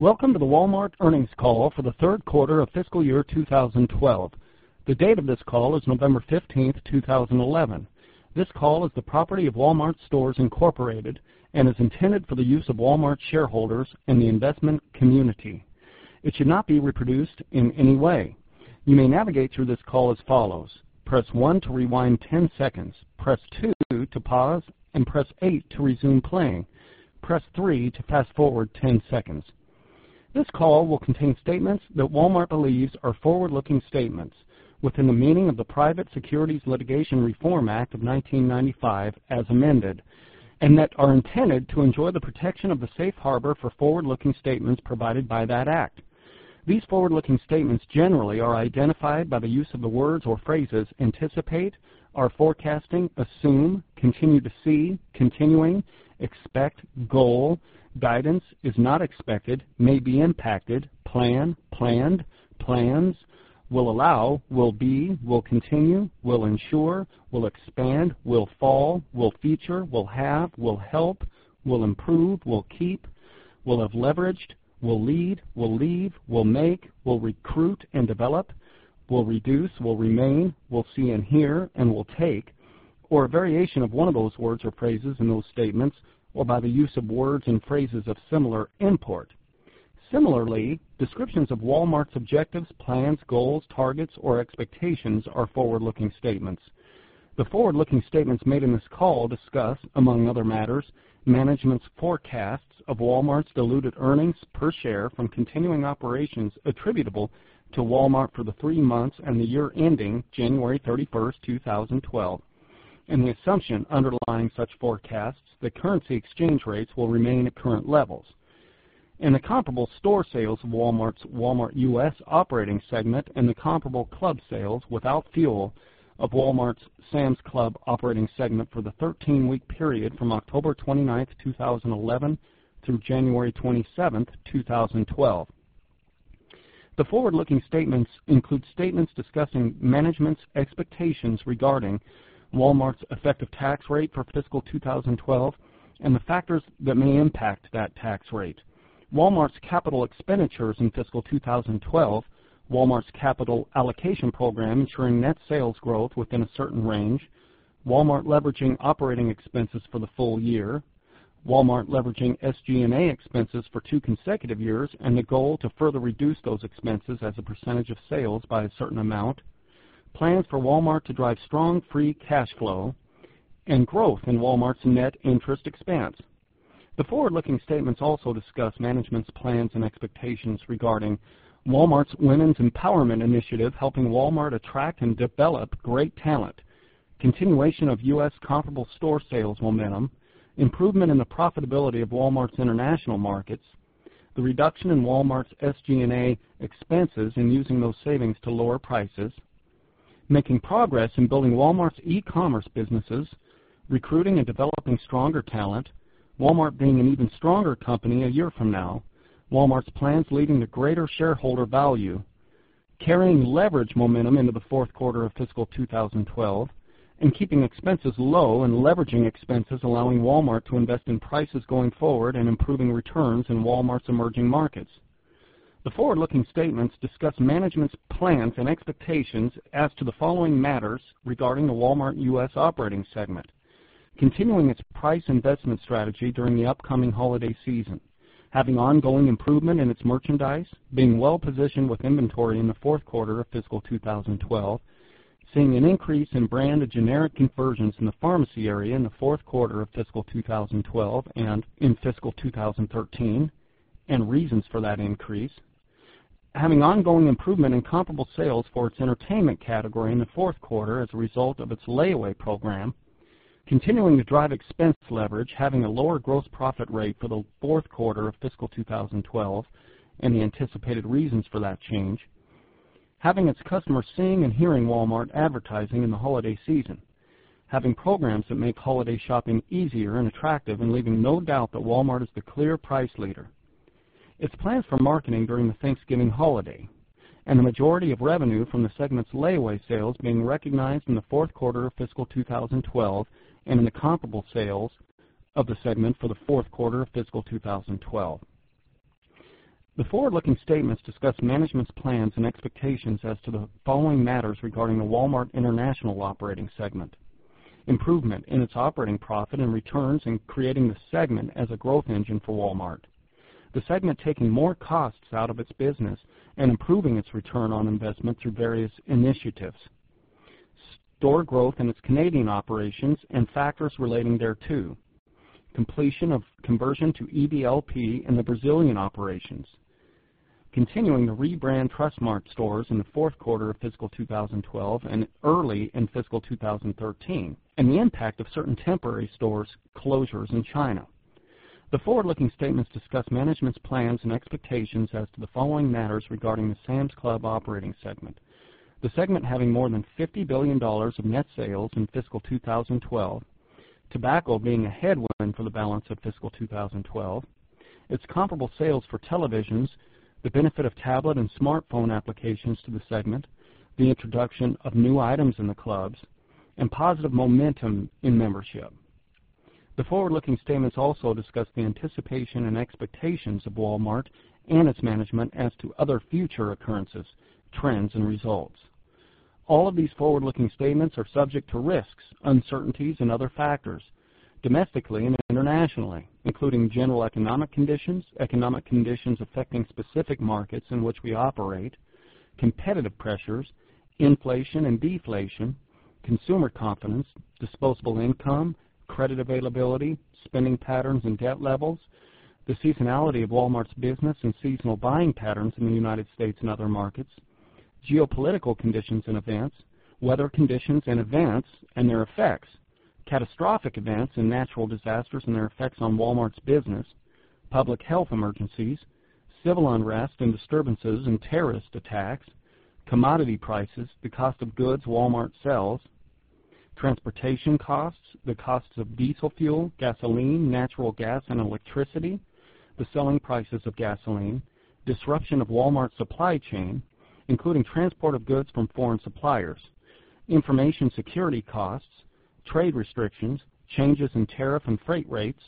Welcome to the Walmart Earnings Call for the Third Quarter of Fiscal Year 2012. The date of this call is November 15th, 2011. This call is the property of Walmart Stores Incorporated and is intended for the use of Walmart shareholders and the investment community. It should not be reproduced in any way. You may navigate through this call as follows: press one to rewind 10 seconds, press two to pause, and press eight to resume playing. Press three to fast-forward 10 seconds. This call will contain statements that Walmart believes are forward-looking statements within the meaning of the Private Securities Litigation Reform Act of 1995 as amended and that are intended to enjoy the protection of the safe harbor for forward-looking statements provided by that act. These forward-looking statements generally are identified by the use of the words or phrases anticipate, are forecasting, assume, continue to see, continuing, expect, goal, guidance, is not expected, may be impacted, plan, planned, plans, will allow, will be, will continue, will ensure, will expand, will fall, will feature, will have, will help, will improve, will keep, will have leveraged, will lead, will leave, will make, will recruit and develop, will reduce, will remain, will see and hear, and will take, or a variation of one of those words or phrases in those statements or by the use of words and phrases of similar import. Similarly, descriptions of Walmart's objectives, plans, goals, targets, or expectations are forward-looking statements. The forward-looking statements made in this call discuss, among other matters, management's forecasts of Walmart's diluted earnings per share from continuing operations attributable to Walmart for the three months and the year ending January 31st, 2012, and the assumption underlying such forecasts that currency exchange rates will remain at current levels, and the comp sales of Walmart's Walmart US operating segment, and the comparable club sales without fuel of Walmart's Sam's Club operating segment for the 13-week period from October 29th, 2011, through January 27th, 2012. The forward-looking statements include statements discussing management's expectations regarding Walmart's effective tax rate for fiscal 2012 and the factors that may impact that tax rate, Walmart's capital expenditures in fiscal 2012, Walmart's capital allocation program ensuring net sales growth within a certain range, Walmart leveraging operating expenses for the full year, Walmart leveraging SG&A expenses for two consecutive years, and the goal to further reduce those expenses as a percentage of sales by a certain amount, plans for Walmart to drive strong free cash flow and growth in Walmart's net interest expense. The forward-looking statements also discuss management's plans and expectations regarding Walmart's women's empowerment initiative helping Walmart attract and develop great talent, continuation of U.S. comparable store sales momentum, improvement in the profitability of Walmart's international markets, the reduction in Walmart's SG&A expenses and using those savings to lower prices, making progress in building Walmart's e-commerce businesses, recruiting and developing stronger talent, Walmart being an even stronger company a year from now, Walmart's plans leading to greater shareholder value, carrying leverage momentum into the fourth quarter of fiscal 2012, and keeping expenses low and leveraging expenses allowing Walmart to invest in prices going forward and improving returns in Walmart's emerging markets. The forward-looking statements discuss management's plans and expectations as to the following matters regarding the Walmart US operating segment: continuing its price investment strategy during the upcoming holiday season, having ongoing improvement in its merchandise, being well positioned with inventory in the fourth quarter of fiscal 2012, seeing an increase in brand and generic conversions in the pharmacy area in the fourth quarter of fiscal 2012 and in fiscal 2013, and reasons for that increase, having ongoing improvement in comparable sales for its entertainment category in the fourth quarter as a result of its layaway services, continuing to drive expense leverage, having a lower gross profit rate for the fourth quarter of fiscal 2012, and the anticipated reasons for that change, having its customers seeing and hearing Walmart advertising in the holiday season, having programs that make holiday shopping easier and attractive, and leaving no doubt that Walmart is the clear price leader, its plans for marketing during the Thanksgiving holiday, and the majority of revenue from the segment's layaway sales being recognized in the fourth quarter of fiscal 2012 and in the comparable sales of the segment for the fourth quarter of fiscal 2012. The forward-looking statements discuss management's plans and expectations as to the following matters regarding the Walmart International operating segment: improvement in its operating profit and returns in creating the segment as a growth engine for Walmart, the segment taking more costs out of its business and improving its return on investment through various initiatives, store growth in its Canadian operations and factors relating thereto, completion of conversion to EDLP in the Brazilian operations, continuing to rebrand Trust-Mart stores in the fourth quarter of fiscal 2012 and early in fiscal 2013, and the impact of certain temporary stores' closures in China. The forward-looking statements discuss management's plans and expectations as to the following matters regarding the Sam's Club operating segment: the segment having more than $50 billion of net sales in fiscal 2012, tobacco being a headwind for the balance of fiscal 2012, its comparable sales for televisions, the benefit of tablet and smartphone applications to the segment, the introduction of new items in the clubs, and positive momentum in membership. The forward-looking statements also discuss the anticipation and expectations of Walmart and its management as to other future occurrences, trends, and results. All of these forward-looking statements are subject to risks, uncertainties, and other factors domestically and internationally, including general economic conditions, economic conditions affecting specific markets in which we operate, competitive pressures, inflation and deflation, consumer confidence, disposable income, credit availability, spending patterns and debt levels, the seasonality of Walmart's business and seasonal buying patterns in the U.S. and other markets, geopolitical conditions and events, weather conditions and events and their effects, catastrophic events and natural disasters and their effects on Walmart's business, public health emergencies, civil unrest and disturbances and terrorist attacks, commodity prices, the cost of goods Walmart sells, transportation costs, the costs of diesel fuel, gasoline, natural gas, and electricity, the selling prices of gasoline, disruption of Walmart's supply chain, including transport of goods from foreign suppliers, information security costs, trade restrictions, changes in tariff and freight rates,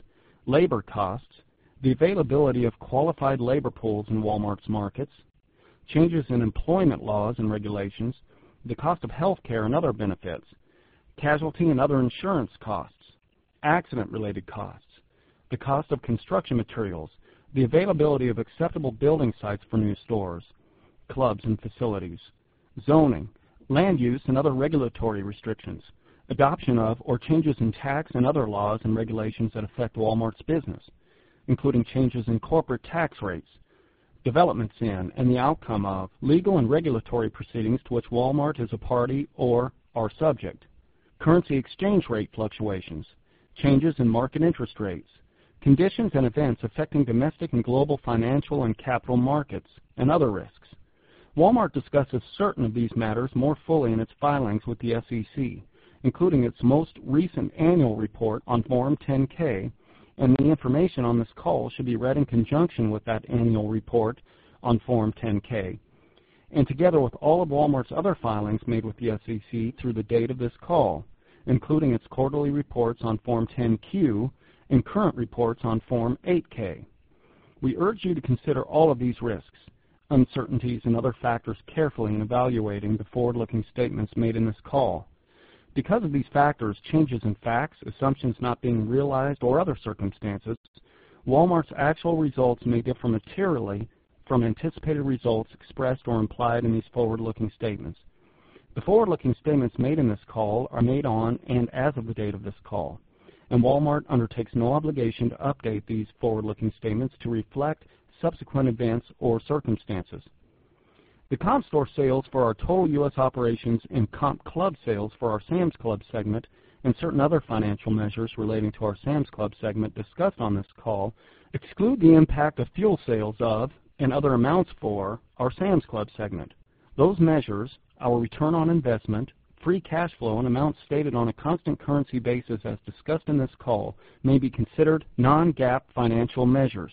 labor costs, the availability of qualified labor pools in Walmart's markets, changes in employment laws and regulations, the cost of healthcare and other benefits, casualty and other insurance costs, accident-related costs, the cost of construction materials, the availability of acceptable building sites for new stores, clubs, and facilities, zoning, land use, and other regulatory restrictions, adoption of or changes in tax and other laws and regulations that affect Walmart's business, including changes in corporate tax rates, developments in and the outcome of legal and regulatory proceedings to which Walmart is a party or are subject, currency exchange rate fluctuations, changes in market interest rates, conditions and events affecting domestic and global financial and capital markets, and other risks. Walmart discusses certain of these matters more fully in its filings with the SEC, including its most recent annual report on Form 10-K, and the information on this call should be read in conjunction with that annual report on Form 10-K, and together with all of Walmart's other filings made with the SEC through the date of this call, including its quarterly reports on Form 10-Q and current reports on Form 8-K. We urge you to consider all of these risks, uncertainties, and other factors carefully in evaluating the forward-looking statements made in this call. Because of these factors, changes in facts, assumptions not being realized, or other circumstances, Walmart's actual results may differ materially from anticipated results expressed or implied in these forward-looking statements. The forward-looking statements made in this call are made on and as of the date of this call, and Walmart undertakes no obligation to update these forward-looking statements to reflect subsequent events or circumstances. The comp store sales for our total U.S. operations and comp club sales for our Sam's Club segment and certain other financial measures relating to our Sam's Club segment discussed on this call exclude the impact of fuel sales and other amounts for our Sam's Club segment. Those measures, our return on investment, free cash flow, and amounts stated on a constant currency basis as discussed in this call may be considered non-GAAP financial measures.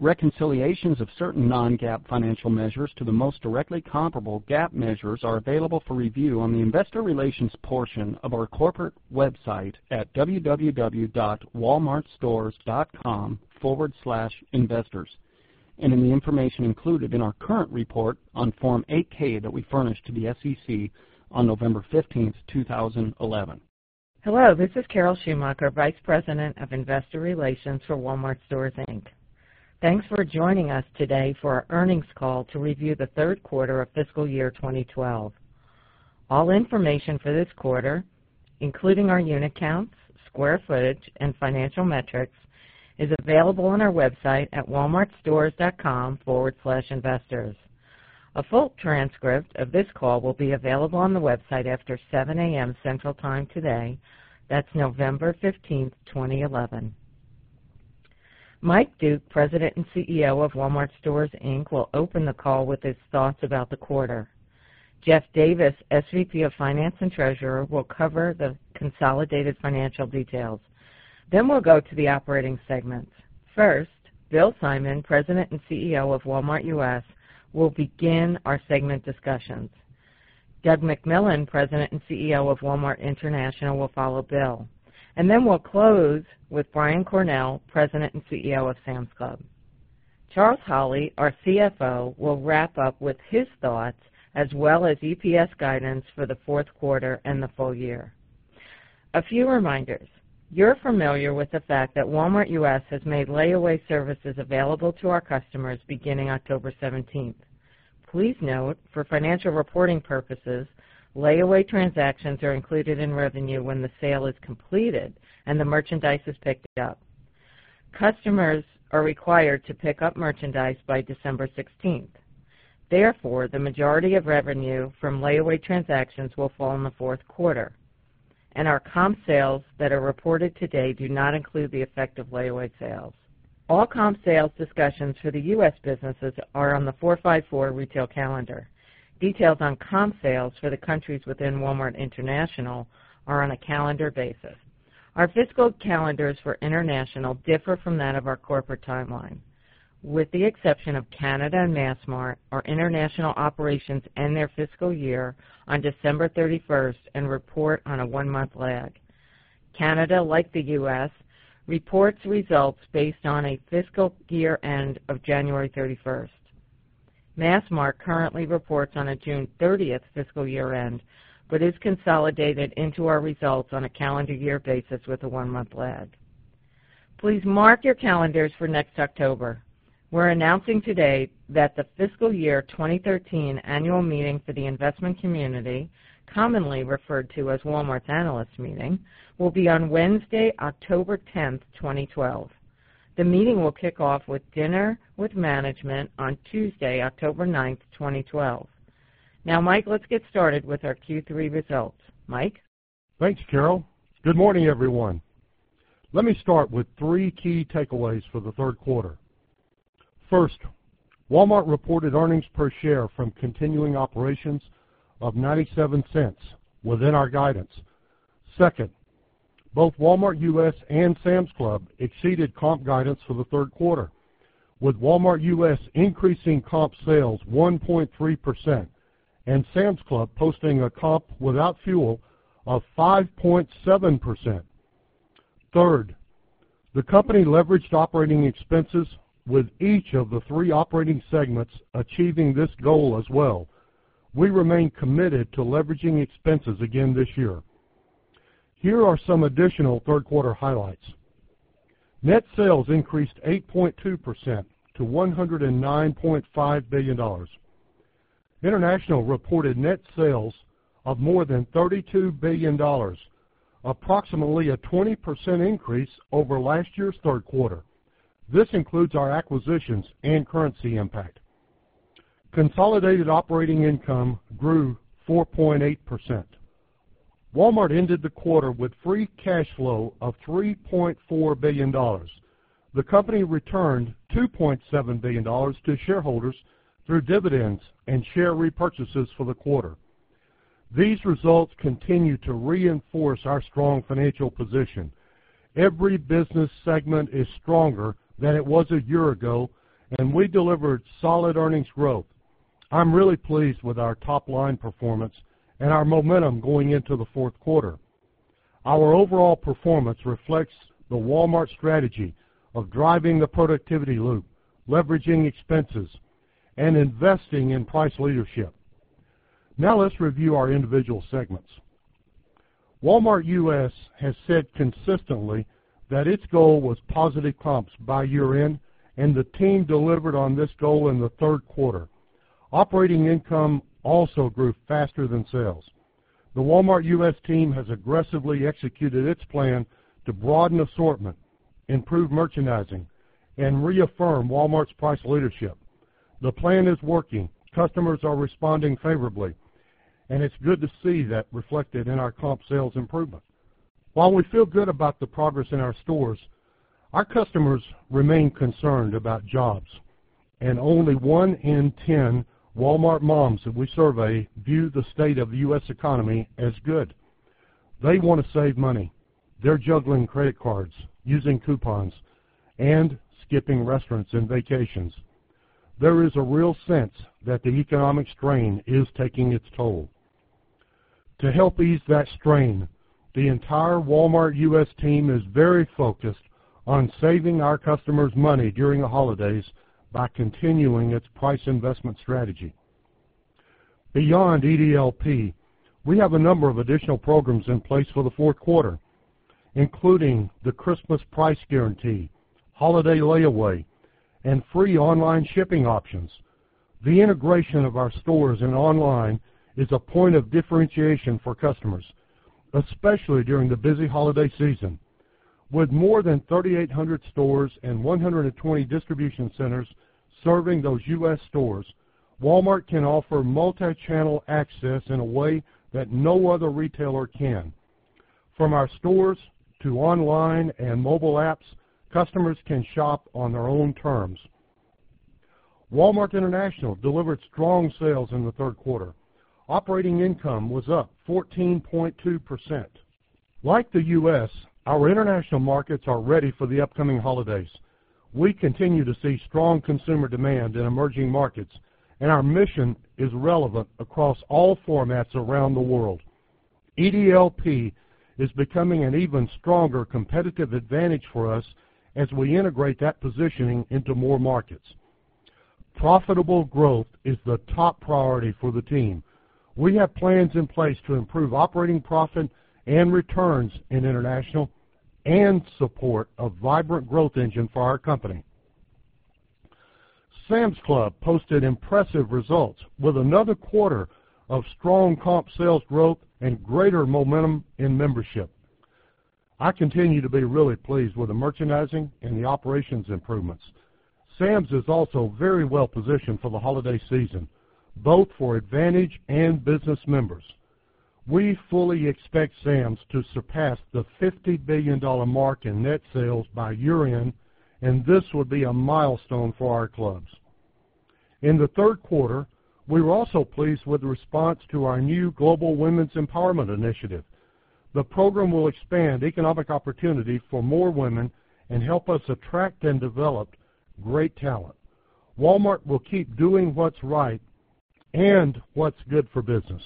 Reconciliations of certain non-GAAP financial measures to the most directly comparable GAAP measures are available for review on the investor relations portion of our corporate website at www.walmartstores.com/investors and in the information included in our current report on Form 8-K that we furnished to the SEC on November 15th, 2011. Hello. This is Carol Schumacher, Vice President of Investor Relations for Walmart Stores Inc. Thanks for joining us today for our earnings call to review the third quarter of fiscal year 2012. All information for this quarter, including our unit counts, square footage, and financial metrics, is available on our website at walmartstores.com/investors. A full transcript of this call will be available on the website after 7:00 A.M. Central Time today. That's November 15th, 2011. Mike Duke, President and CEO of Walmart Stores Inc., will open the call with his thoughts about the quarter. Jeff Davis, SVP of Finance and Treasurer, will cover the consolidated financial details. We will go to the operating segments. First, Bill Simon, President and CEO of Walmart US, will begin our segment discussions. Doug McMillon, President and CEO of Walmart International, will follow Bill. We will close with Brian Cornell, President and CEO of Sam's Club. Charles Holley, our CFO, will wrap up with his thoughts as well as EPS guidance for the fourth quarter and the full year. A few reminders. You're familiar with the fact that Walmart US has made layaway services available to our customers beginning October 17th. Please note, for financial reporting purposes, layaway transactions are included in revenue when the sale is completed and the merchandise is picked up. Customers are required to pick up merchandise by December 16th. Therefore, the majority of revenue from layaway transactions will fall in the fourth quarter, and our comp sales that are reported today do not include the effect of layaway sales. All comp sales discussions for the U.S.t businesses are on the 454 retail calendar. Details on comp sales for the countries within Walmart International are on a calendar basis. Our fiscal calendars for international differ from that of our corporate timeline. With the exception of Canada and Massmart, our international operations end their fiscal year on December 31st and report on a one-month lag. Canada, like the U.S., reports results based on a fiscal year-end of January 31st. Massmart currently reports on a June 30th fiscal year-end but is consolidated into our results on a calendar-year basis with a one-month lag. Please mark your calendars for next October. We're announcing today that the fiscal year 2013 annual meeting for the investment community, commonly referred to as Walmart's analyst meeting, will be on Wednesday, October 10th, 2012. The meeting will kick off with dinner with management on Tuesday, October 9th, 2012. Now, Mike, let's get started with our Q3 results. Mike? Thanks, Carol. Good morning, everyone. Let me start with three key takeaways for the third quarter. First, Walmart reported earnings per share from continuing operations of $0.97 within our guidance. Second, both Walmart US and Sam's Club exceeded comp guidance for the third quarter, with Walmart US increasing comp sales 1.3% and Sam's Club posting a comp without fuel of 5.7%. Third, the company leveraged operating expenses with each of the three operating segments achieving this goal as well. We remain committed to leveraging expenses again this year. Here are some additional third-quarter highlights. Net sales increased 8.2% to $109.5 billion. International reported net sales of more than $32 billion, approximately a 20% increase over last year's third quarter. This includes our acquisitions and currency impact. Consolidated operating income grew 4.8%. Walmart ended the quarter with free cash flow of $3.4 billion. The company returned $2.7 billion to shareholders through dividends and share repurchases for the quarter. These results continue to reinforce our strong financial position. Every business segment is stronger than it was a year ago, and we delivered solid earnings growth. I'm really pleased with our top-line performance and our momentum going into the fourth quarter. Our overall performance reflects the Walmart strategy of driving the productivity loop, leveraging expenses, and investing in price leadership. Now let's review our individual segments. Walmart US has said consistently that its goal was positive comps by year-end, and the team delivered on this goal in the third quarter. Operating income also grew faster than sales. The Walmart US team has aggressively executed its plan to broaden assortment, improve merchandising, and reaffirm Walmart's price leadership. The plan is working. Customers are responding favorably, and it's good to see that reflected in our comp sales improvement. While we feel good about the progress in our stores, our customers remain concerned about jobs, and only one in 10 Walmart moms that we survey view the state of the U.S. economy as good. They want to save money. They're juggling credit cards, using coupons, and skipping restaurants and vacations. There is a real sense that the economic strain is taking its toll. To help ease that strain, the entire Walmart US team is very focused on saving our customers money during the holidays by continuing its price investment strategy. Beyond EDLP, we have a number of additional programs in place for the fourth quarter, including the Christmas price guarantee, holiday layaway, and free online shipping options. The integration of our stores and online is a point of differentiation for customers, especially during the busy holiday season. With more than 3,800 stores and 120 distribution centers serving those U.S. stores, Walmart can offer multi-channel access in a way that no other retailer can. From our stores to online and mobile apps, customers can shop on their own terms. Walmart International delivered strong sales in the third quarter. Operating income was up 14.2%. Like the U.S., our international markets are ready for the upcoming holidays. We continue to see strong consumer demand in emerging markets, and our mission is relevant across all formats around the world. EDLP is becoming an even stronger competitive advantage for us as we integrate that positioning into more markets. Profitable growth is the top priority for the team. We have plans in place to improve operating profit and returns in international and support a vibrant growth engine for our company. Sam's Club posted impressive results with another quarter of strong comp sales growth and greater momentum in membership. I continue to be really pleased with the merchandising and the operations improvements. Sam's is also very well positioned for the holiday season, both for Advantage and Business members. We fully expect Sam's to surpass the $50 billion mark in net sales by year-end, and this would be a milestone for our clubs. In the third quarter, we were also pleased with the response to our new global women's empowerment initiative. The program will expand economic opportunity for more women and help us attract and develop great talent. Walmart will keep doing what's right and what's good for business.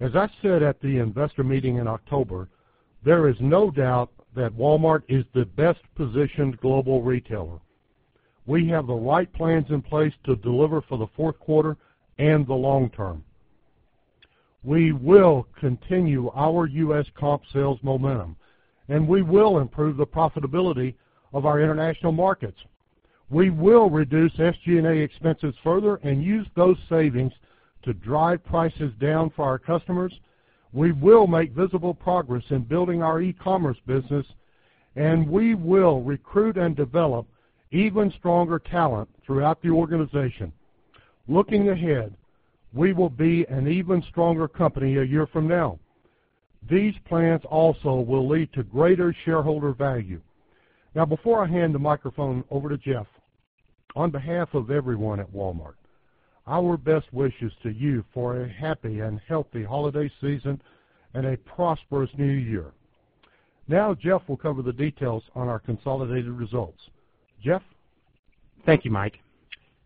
As I said at the investor meeting in October, there is no doubt that Walmart is the best-positioned global retailer. We have the right plans in place to deliver for the fourth quarter and the long term. We will continue our U.S. comp sales momentum, and we will improve the profitability of our international markets. We will reduce SG&A expenses further and use those savings to drive prices down for our customers. We will make visible progress in building our e-commerce business, and we will recruit and develop even stronger talent throughout the organization. Looking ahead, we will be an even stronger company a year from now. These plans also will lead to greater shareholder value. Now, before I hand the microphone over to Jeff, on behalf of everyone at Walmart, our best wishes to you for a happy and healthy holiday season and a prosperous new year. Now, Jeff will cover the details on our consolidated results. Jeff? Thank you, Mike.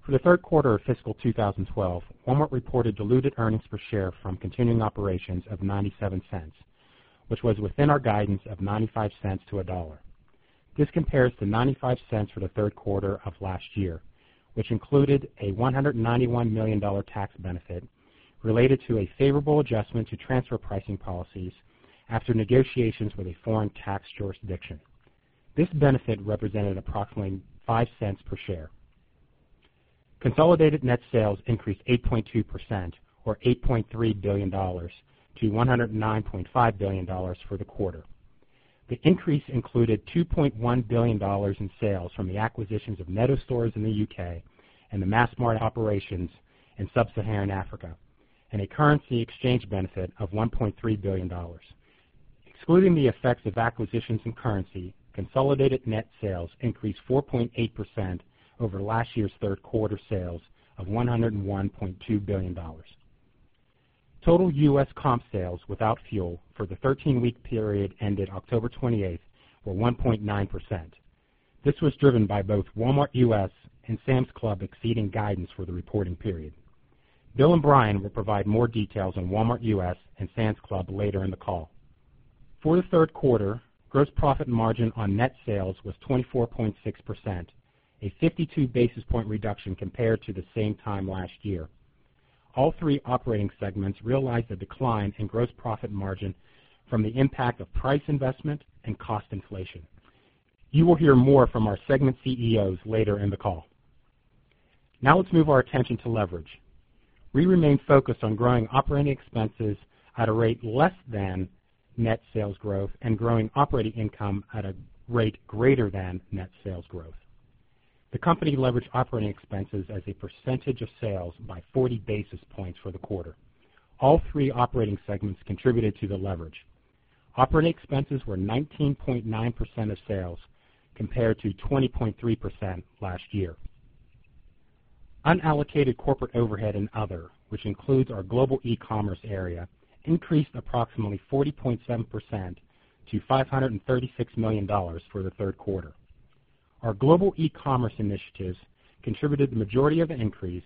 For the third quarter of fiscal 2012, Walmart reported diluted earnings per share from continuing operations of $0.97, which was within our guidance of $0.95-$1. This compares to $0.95 for the third quarter of last year, which included a $191 million tax benefit related to a favorable adjustment to transfer pricing policies after negotiations with a foreign tax jurisdiction. This benefit represented approximately $0.05 per share. Consolidated net sales increased 8.2%, or $8.3 billion, to $109.5 billion for the quarter. The increase included $2.1 billion in sales from the acquisitions of Netto Stores in the U.K. and the Massmart operations in Sub-Saharan Africa and a currency exchange benefit of $1.3 billion. Excluding the effects of acquisitions and currency, consolidated net sales increased 4.8% over last year's third quarter sales of $101.2 billion. Total U.S. comp sales without fuel for the 13-week period ended October 28th were 1.9%. This was driven by both Walmart US and Sam's Club exceeding guidance for the reporting period. Bill and Brian will provide more details on Walmart US and Sam's Club later in the call. For the third quarter, gross profit margin on net sales was 24.6%, a 52 basis point reduction compared to the same time last year. All three operating segments realized a decline in gross profit margin from the impact of price investment and cost inflation. You will hear more from our segment CEOs later in the call. Now let's move our attention to leverage. We remain focused on growing operating expenses at a rate less than net sales growth and growing operating income at a rate greater than net sales growth. The company leveraged operating expenses as a percentage of sales by 40 basis points for the quarter. All three operating segments contributed to the leverage. Operating expenses were 19.9% of sales compared to 20.3% last year. Unallocated corporate overhead and other, which includes our global e-commerce area, increased approximately 40.7% to $536 million for the third quarter. Our global e-commerce initiatives contributed the majority of the increase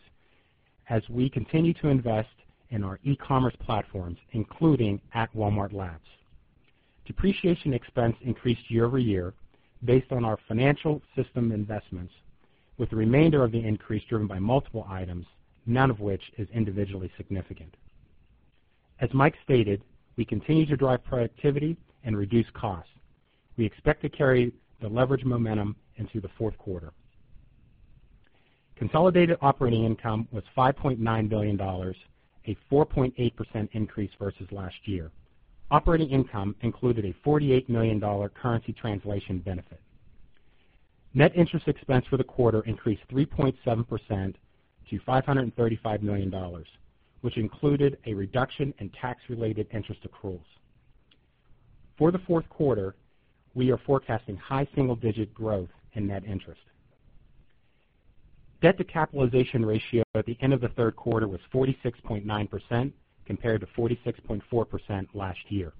as we continue to invest in our e-commerce platforms, including at Walmart Labs. Depreciation expense increased year-over-year based on our financial system investments, with the remainder of the increase driven by multiple items, none of which is individually significant. As Mike stated, we continue to drive productivity and reduce costs. We expect to carry the leverage momentum into the fourth quarter. Consolidated operating income was $5.9 billion, a 4.8% increase versus last year. Operating income included a $48 million currency translation benefit. Net interest expense for the quarter increased 3.7% to $535 million, which included a reduction in tax-related interest accruals. For the fourth quarter, we are forecasting high single-digit growth in net interest. Debt-to-capitalization ratio at the end of the third quarter was 46.9% compared to 46.4% last year.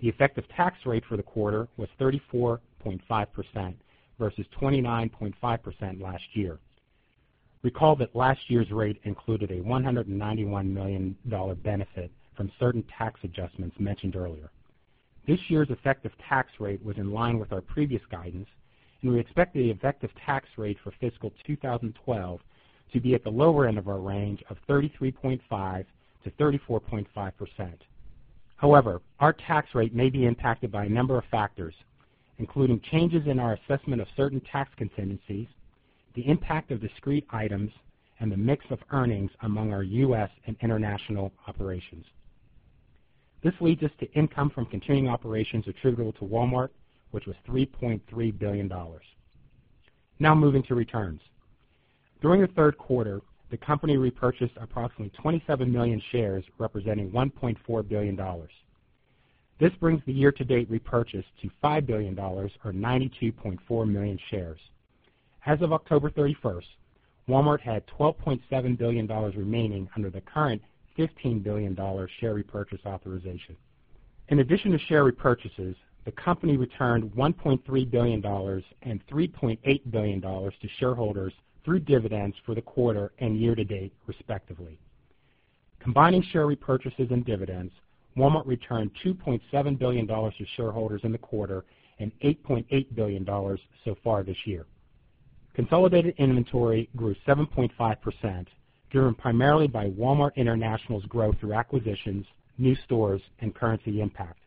The effective tax rate for the quarter was 34.5% versus 29.5% last year. Recall that last year's rate included a $191 million benefit from certain tax adjustments mentioned earlier. This year's effective tax rate was in line with our previous guidance, and we expect the effective tax rate for fiscal 2012 to be at the lower end of our range of 33.5%-34.5%. However, our tax rate may be impacted by a number of factors, including changes in our assessment of certain tax contingencies, the impact of discrete items, and the mix of earnings among our U.S. and international operations. This leads us to income from continuing operations attributable to Walmart, which was $3.3 billion. Now moving to returns. During the third quarter, the company repurchased approximately 27 million shares, representing $1.4 billion. This brings the year-to-date repurchase to $5 billion, or 92.4 million shares. As of October 31st, Walmart had $12.7 billion remaining under the current $15 billion share repurchase authorization. In addition to share repurchases, the company returned $1.3 billion and $3.8 billion to shareholders through dividends for the quarter and year-to-date, respectively. Combining share repurchases and dividends, Walmart returned $2.7 billion to shareholders in the quarter and $8.8 billion so far this year. Consolidated inventory grew 7.5%, driven primarily by Walmart International's growth through acquisitions, new stores, and currency impact.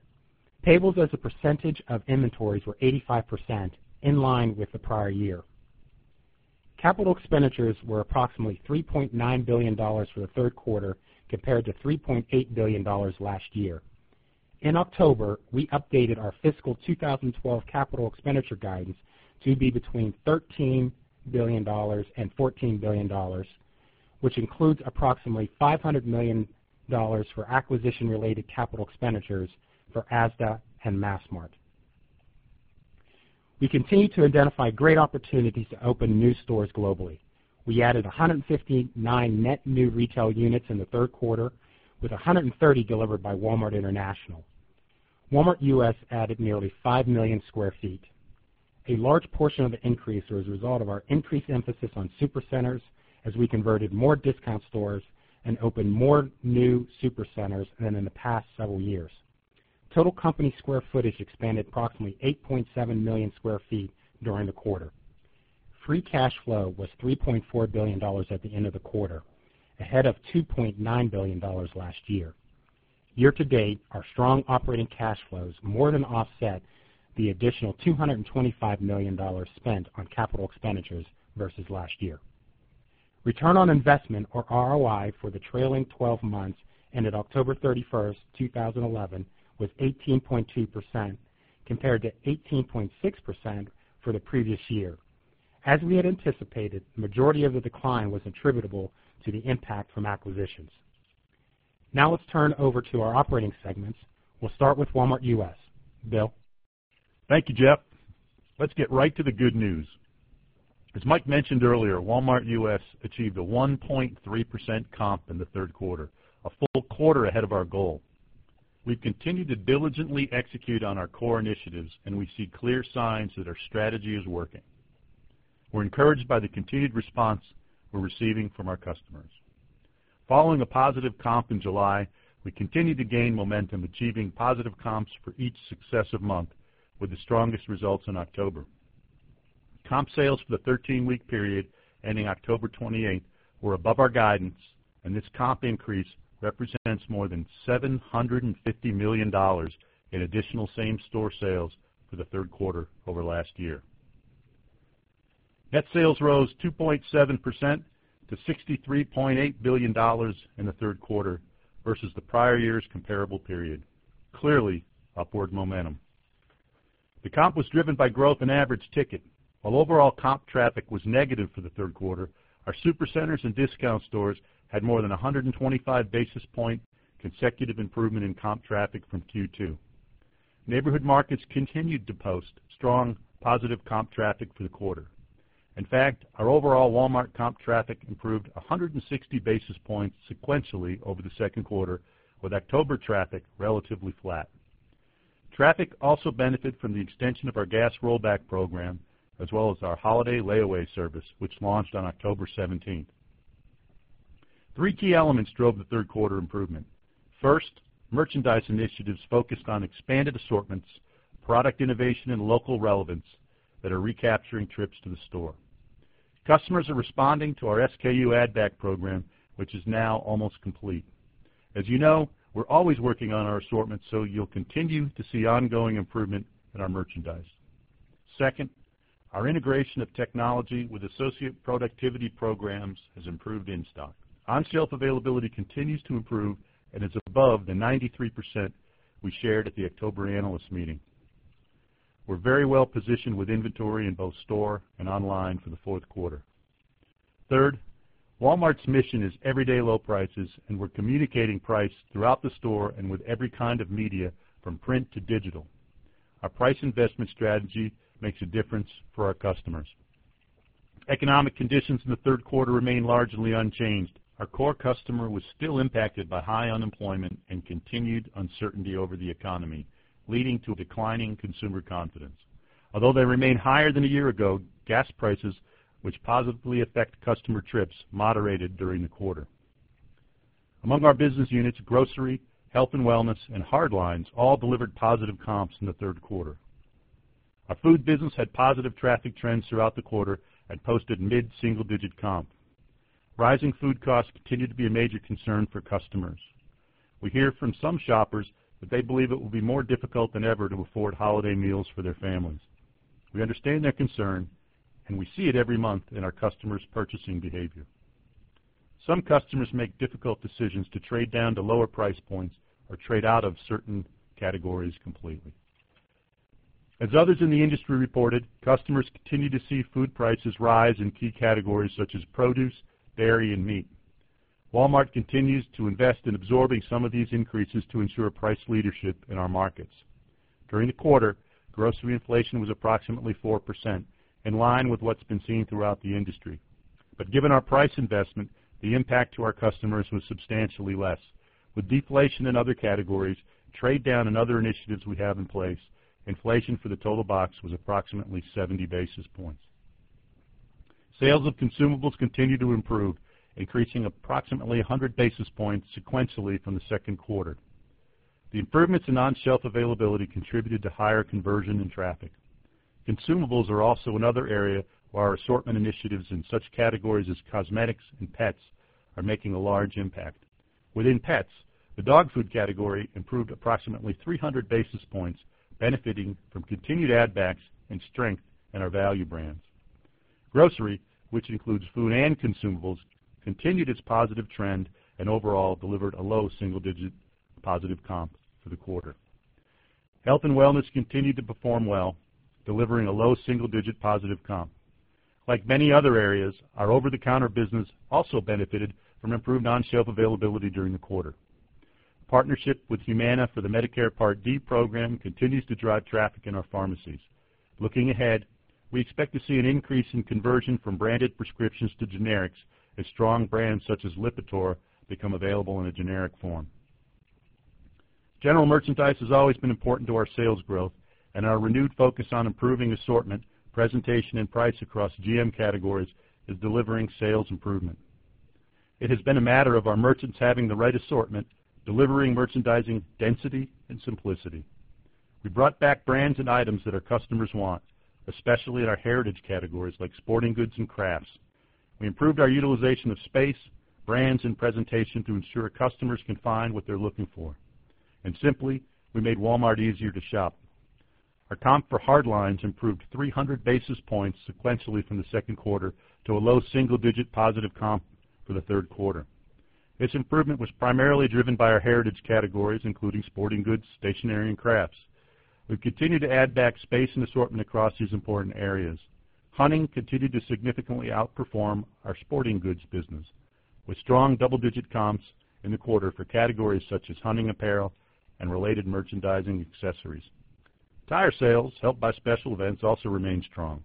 Payables as a percentage of inventories were 85%, in line with the prior year. Capital expenditures were approximately $3.9 billion for the third quarter compared to $3.8 billion last year. In October, we updated our fiscal 2012 capital expenditure guidance to be between $13 billion and $14 billion, which includes approximately $500 million for acquisition-related capital expenditures for ASDA and Massmart. We continue to identify great opportunities to open new stores globally. We added 159 net new retail units in the third quarter, with 130 delivered by Walmart International. Walmart US added nearly 5 million sq ft. A large portion of the increase was a result of our increased emphasis on supercenters as we converted more discount stores and opened more new supercenters than in the past several years. Total company square footage expanded approximately 8.7 million sq ft during the quarter. Free cash flow was $3.4 billion at the end of the quarter, ahead of $2.9 billion last year. Year-to-date, our strong operating cash flows more than offset the additional $225 million spent on capital expenditures versus last year. Return on investment, or ROI, for the trailing 12 months ended October 31st, 2011, was 18.2% compared to 18.6% for the previous year. As we had anticipated, the majority of the decline was attributable to the impact from acquisitions. Now let's turn over to our operating segments. We'll start with Walmart US. Bill? Thank you, Jeff. Let's get right to the good news. As Mike mentioned earlier, Walmart US achieved a 1.3% comp in the third quarter, a full quarter ahead of our goal. We've continued to diligently execute on our core initiatives, and we see clear signs that our strategy is working. We're encouraged by the continued response we're receiving from our customers. Following a positive comp in July, we continued to gain momentum, achieving positive comps for each successive month, with the strongest results in October. Comp sales for the 13-week period ending October 28th were above our guidance, and this comp increase represents more than $750 million in additional same-store sales for the third quarter over last year. Net sales rose 2.7% to $63.8 billion in the third quarter versus the prior year's comparable period. Clearly, upward momentum. The comp was driven by growth in average ticket. While overall comp traffic was negative for the third quarter, our supercenters and discount stores had more than 125 basis point consecutive improvement in comp traffic from Q2. Neighborhood markets continued to post strong positive comp traffic for the quarter. In fact, our overall Walmart comp traffic improved 160 basis points sequentially over the second quarter, with October traffic relatively flat. Traffic also benefited from the extension of our gas rollback program, as well as our holiday layaway services, which launched on October 17th. Three key elements drove the third quarter improvement. First, merchandise initiatives focused on expanded assortments, product innovation, and local relevance that are recapturing trips to the store. Customers are responding to our SKU add-back program, which is now almost complete. As you know, we're always working on our assortment, so you'll continue to see ongoing improvement in our merchandise. Second, our integration of technology with associate productivity programs has improved in stock. On-shelf availability continues to improve and is above the 93% we shared at the October analyst meeting. We're very well positioned with inventory in both store and online for the fourth quarter. Third, Walmart's mission is everyday low prices, and we're communicating price throughout the store and with every kind of media, from print to digital. Our price investment strategy makes a difference for our customers. Economic conditions in the third quarter remain largely unchanged. Our core customer was still impacted by high unemployment and continued uncertainty over the economy, leading to a decline in consumer confidence. Although they remain higher than a year ago, gas prices, which positively affect customer trips, moderated during the quarter. Among our business units, grocery, health and wellness, and hardlines all delivered positive comps in the third quarter. Our food business had positive traffic trends throughout the quarter and posted mid-single-digit comp. Rising food costs continue to be a major concern for customers. We hear from some shoppers that they believe it will be more difficult than ever to afford holiday meals for their families. We understand their concern, and we see it every month in our customers' purchasing behavior. Some customers make difficult decisions to trade down to lower price points or trade out of certain categories completely. As others in the industry reported, customers continue to see food prices rise in key categories such as produce, dairy, and meat. Walmart continues to invest in absorbing some of these increases to ensure price leadership in our markets. During the quarter, grocery inflation was approximately 4%, in line with what's been seen throughout the industry. Given our price investment, the impact to our customers was substantially less. With deflation in other categories, trade down, and other initiatives we have in place, inflation for the total box was approximately 70 basis points. Sales of consumables continue to improve, increasing approximately 100 basis points sequentially from the second quarter. The improvements in on-shelf availability contributed to higher conversion in traffic. Consumables are also another area where our assortment initiatives in such categories as cosmetics and pets are making a large impact. Within pets, the dog food category improved approximately 300 basis points, benefiting from continued add-backs and strength in our value brands. Grocery, which includes food and consumables, continued its positive trend and overall delivered a low single-digit positive comp for the quarter. Health and wellness continued to perform well, delivering a low single-digit positive comp. Like many other areas, our over-the-counter business also benefited from improved on-shelf availability during the quarter. Partnership with Humana for the Medicare Part D program continues to drive traffic in our pharmacies. Looking ahead, we expect to see an increase in conversion from branded prescriptions to generics as strong brands such as Lipitor become available in a generic form. General merchandise has always been important to our sales growth, and our renewed focus on improving assortment, presentation, and price across GM categories is delivering sales improvement. It has been a matter of our merchants having the right assortment, delivering merchandising density and simplicity. We brought back brands and items that our customers want, especially in our heritage categories like sporting goods and crafts. We improved our utilization of space, brands, and presentation to ensure customers can find what they're looking for. We made Walmart easier to shop. Our comp for hard lines improved 300 basis points sequentially from the second quarter to a low single-digit positive comp for the third quarter. This improvement was primarily driven by our heritage categories, including sporting goods, stationery, and crafts. We continue to add back space and assortment across these important areas. Hunting continued to significantly outperform our sporting goods business, with strong double-digit comps in the quarter for categories such as hunting apparel and related merchandising accessories. Tire sales, helped by special events, also remained strong.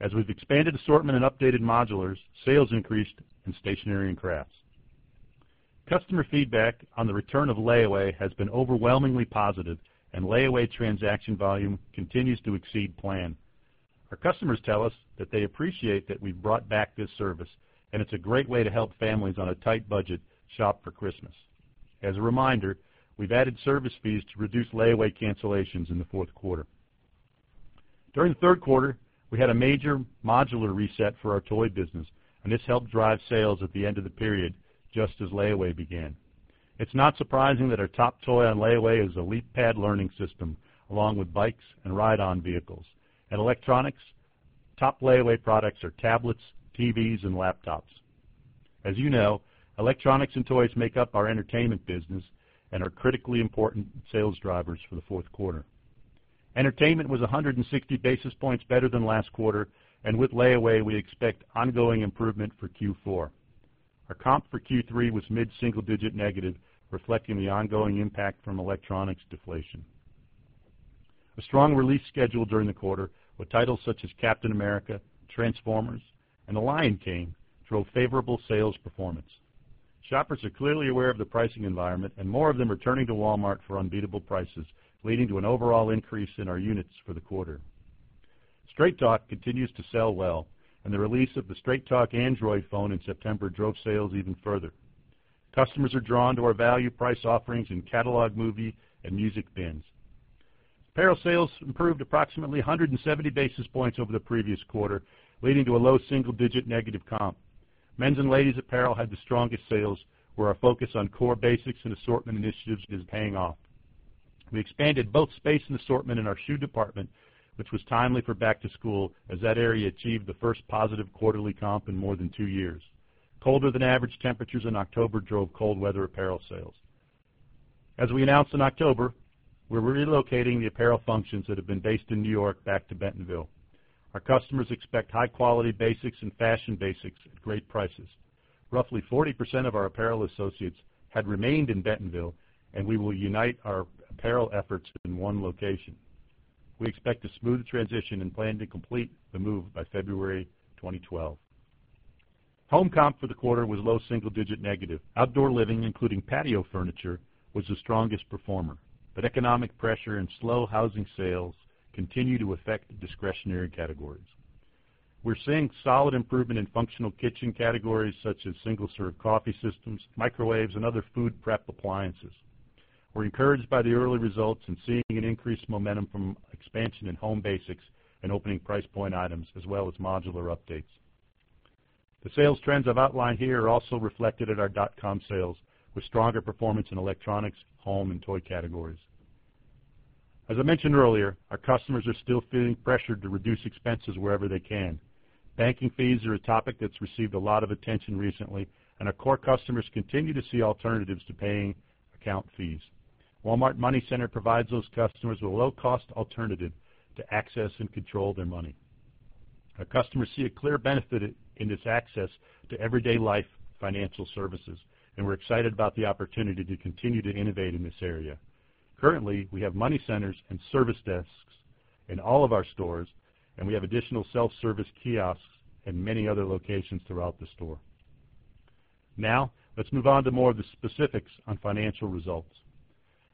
As we've expanded assortment and updated modulars, sales increased in stationery and crafts. Customer feedback on the return of layaway has been overwhelmingly positive, and layaway transaction volume continues to exceed plan. Our customers tell us that they appreciate that we've brought back this service, and it's a great way to help families on a tight budget shop for Christmas. As a reminder, we've added service fees to reduce layaway cancellations in the fourth quarter. During the third quarter, we had a major modular reset for our toy business, and this helped drive sales at the end of the period just as layaway began. It's not surprising that our top toy on layaway is the Leap Pad learning system, along with bikes and ride-on vehicles. In electronics, top layaway products are tablets, TVs, and laptops. As you know, electronics and toys make up our entertainment business and are critically important sales drivers for the fourth quarter. Entertainment was 160 basis points better than last quarter, and with layaway, we expect ongoing improvement for Q4. Our comp for Q3 was mid-single-digit negative, reflecting the ongoing impact from electronics deflation. A strong release schedule during the quarter with titles such as Captain America, Transformers, and The Lion King drove favorable sales performance. Shoppers are clearly aware of the pricing environment, and more of them are turning to Walmart for unbeatable prices, leading to an overall increase in our units for the quarter. Straight Talk continues to sell well, and the release of the Straight Talk Android phone in September drove sales even further. Customers are drawn to our value price offerings in catalog movie and music bins. Apparel sales improved approximately 170 basis points over the previous quarter, leading to a low single-digit negative comp. Men's and ladies' apparel had the strongest sales, where our focus on core basics and assortment initiatives is paying off. We expanded both space and assortment in our shoe department, which was timely for back-to-school, as that area achieved the first positive quarterly comp in more than two years. Colder than average temperatures in October drove cold weather apparel sales. As we announced in October, we're relocating the apparel functions that have been based in New York back to Bentonville. Our customers expect high-quality basics and fashion basics at great prices. Roughly 40% of our apparel associates had remained in Bentonville, and we will unite our apparel efforts in one location. We expect a smooth transition and plan to complete the move by February 2012. Home comp for the quarter was low single-digit negative. Outdoor living, including patio furniture, was the strongest performer, but economic pressure and slow housing sales continue to affect discretionary categories. We're seeing solid improvement in functional kitchen categories such as single-serve coffee systems, microwaves, and other food prep appliances. We're encouraged by the early results and seeing an increased momentum from expansion in home basics and opening price point items, as well as modular updates. The sales trends I've outlined here are also reflected in our dot-com sales, with stronger performance in electronics, home, and toy categories. As I mentioned earlier, our customers are still feeling pressured to reduce expenses wherever they can. Banking fees are a topic that's received a lot of attention recently, and our core customers continue to see alternatives to paying account fees. Walmart Money Center provides those customers with a low-cost alternative to access and control their money. Our customers see a clear benefit in this access to everyday life financial services, and we're excited about the opportunity to continue to innovate in this area. Currently, we have Money Centers and service desks in all of our stores, and we have additional self-service kiosks in many other locations throughout the store. Now, let's move on to more of the specifics on financial results.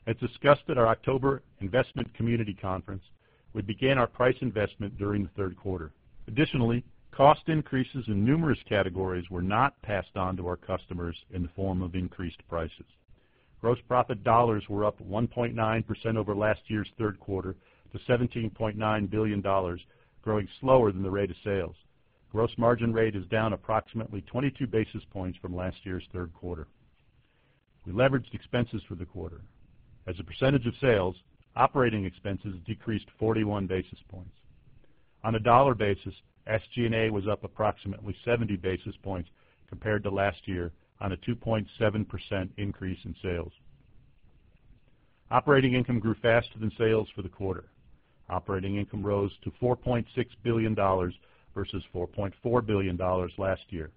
As discussed at our October investment community conference, we began our price investment during the third quarter. Additionally, cost increases in numerous categories were not passed on to our customers in the form of increased prices. Gross profit dollars were up 1.9% over last year's third quarter to $17.9 billion, growing slower than the rate of sales. Gross margin rate is down approximately 22 basis points from last year's third quarter. We leveraged expenses for the quarter. As a percentage of sales, operating expenses decreased 41 basis points. On a dollar basis, SG&A was up approximately 70 basis points compared to last year on a 2.7% increase in sales. Operating income grew faster than sales for the quarter. Operating income rose to $4.6 billion versus $4.4 billion last year.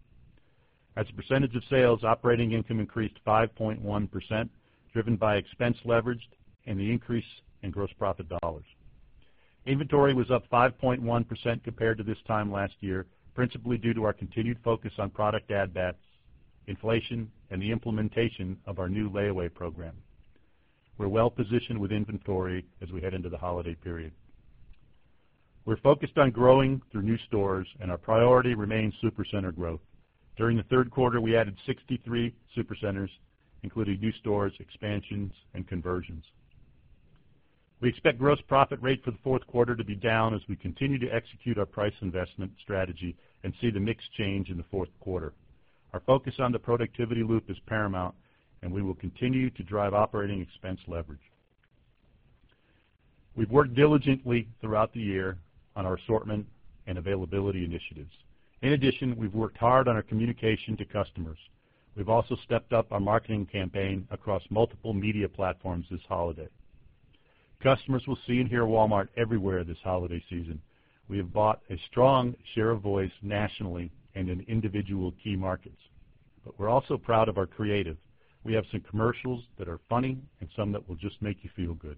As a percentage of sales, operating income increased 5.1%, driven by expense leverage and the increase in gross profit dollars. Inventory was up 5.1% compared to this time last year, principally due to our continued focus on product add-backs, inflation, and the implementation of our new layaway program. We're well positioned with inventory as we head into the holiday period. We're focused on growing through new stores, and our priority remains supercenter growth. During the third quarter, we added 63 supercenters, including new stores, expansions, and conversions. We expect gross profit rate for the fourth quarter to be down as we continue to execute our price investment strategy and see the mix change in the fourth quarter. Our focus on the productivity loop is paramount, and we will continue to drive operating expense leverage. We've worked diligently throughout the year on our assortment and availability initiatives. In addition, we've worked hard on our communication to customers. We've also stepped up our marketing campaign across multiple media platforms this holiday. Customers will see and hear Walmart everywhere this holiday season. We have bought a strong share of voice nationally and in individual key markets. We're also proud of our creative. We have some commercials that are funny and some that will just make you feel good.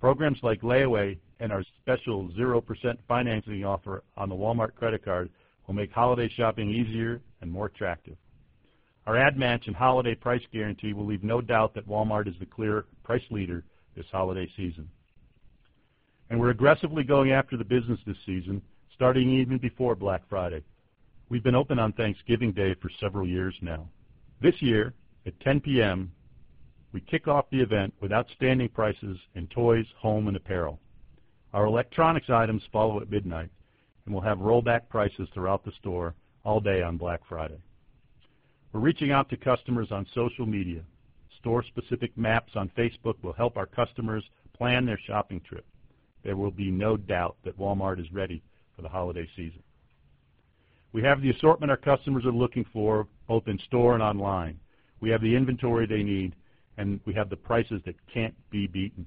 Programs like layaway and our special 0% financing offer on the Walmart credit card will make holiday shopping easier and more attractive. Our ad management holiday price guarantee will leave no doubt that Walmart is the clear price leader this holiday season. We're aggressively going after the business this season, starting even before Black Friday. We've been open on Thanksgiving Day for several years now. This year, at 10:00 P.M., we kick off the event with outstanding prices in toys, home, and apparel. Our electronics items follow at midnight, and we'll have rollback prices throughout the store all day on Black Friday. We're reaching out to customers on social media. Store-specific maps on Facebook will help our customers plan their shopping trip. There will be no doubt that Walmart is ready for the holiday season. We have the assortment our customers are looking for, both in-store and online. We have the inventory they need, and we have the prices that can't be beaten.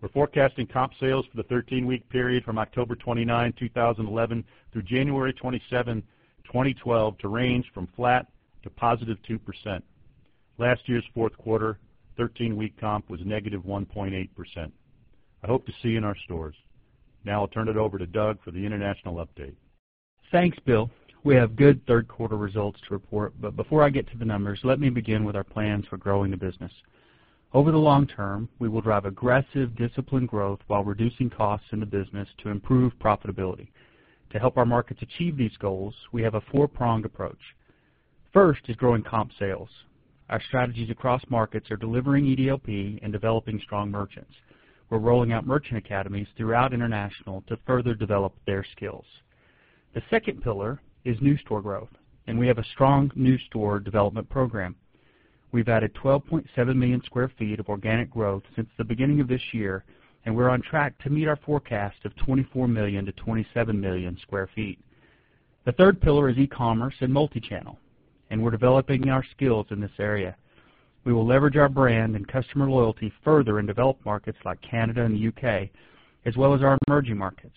We're forecasting comp sales for the 13-week period from October 29th, 2011, through January 27th, 2012, to range from flat to +2%. Last year's fourth quarter, 13-week comp was -1.8%. I hope to see you in our stores. Now I'll turn it over to Doug for the international update. Thanks, Bill. We have good third-quarter results to report, but before I get to the numbers, let me begin with our plans for growing the business. Over the long term, we will drive aggressive, disciplined growth while reducing costs in the business to improve profitability. To help our markets achieve these goals, we have a four-pronged approach. First is growing comp sales. Our strategies across markets are delivering EDLP and developing strong merchants. We're rolling out merchant academies throughout International to further develop their skills. The second pillar is new store growth, and we have a strong new store development program. We've added 12.7 million sq ft of organic growth since the beginning of this year, and we're on track to meet our forecast of 24 million sq ft-27 million sq ft. The third pillar is e-commerce and multichannel, and we're developing our skills in this area. We will leverage our brand and customer loyalty further and develop markets like Canada and the UK, as well as our emerging markets.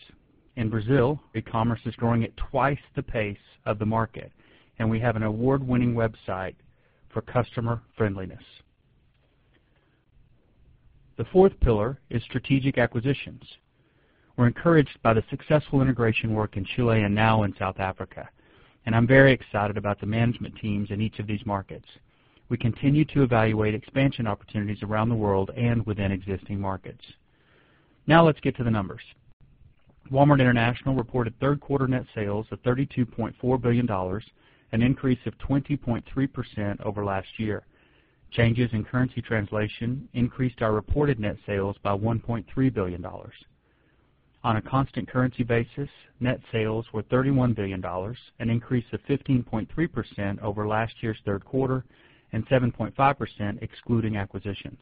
In Brazil, e-commerce is growing at twice the pace of the market, and we have an award-winning website for customer friendliness. The fourth pillar is strategic acquisitions. We're encouraged by the successful integration work in Chile and now in South Africa, and I'm very excited about the management teams in each of these markets. We continue to evaluate expansion opportunities around the world and within existing markets. Now let's get to the numbers. Walmart International reported third-quarter net sales of $32.4 billion, an increase of 20.3% over last year. Changes in currency translation increased our reported net sales by $1.3 billion. On a constant currency basis, net sales were $31 billion, an increase of 15.3% over last year's third quarter and 7.5% excluding acquisitions.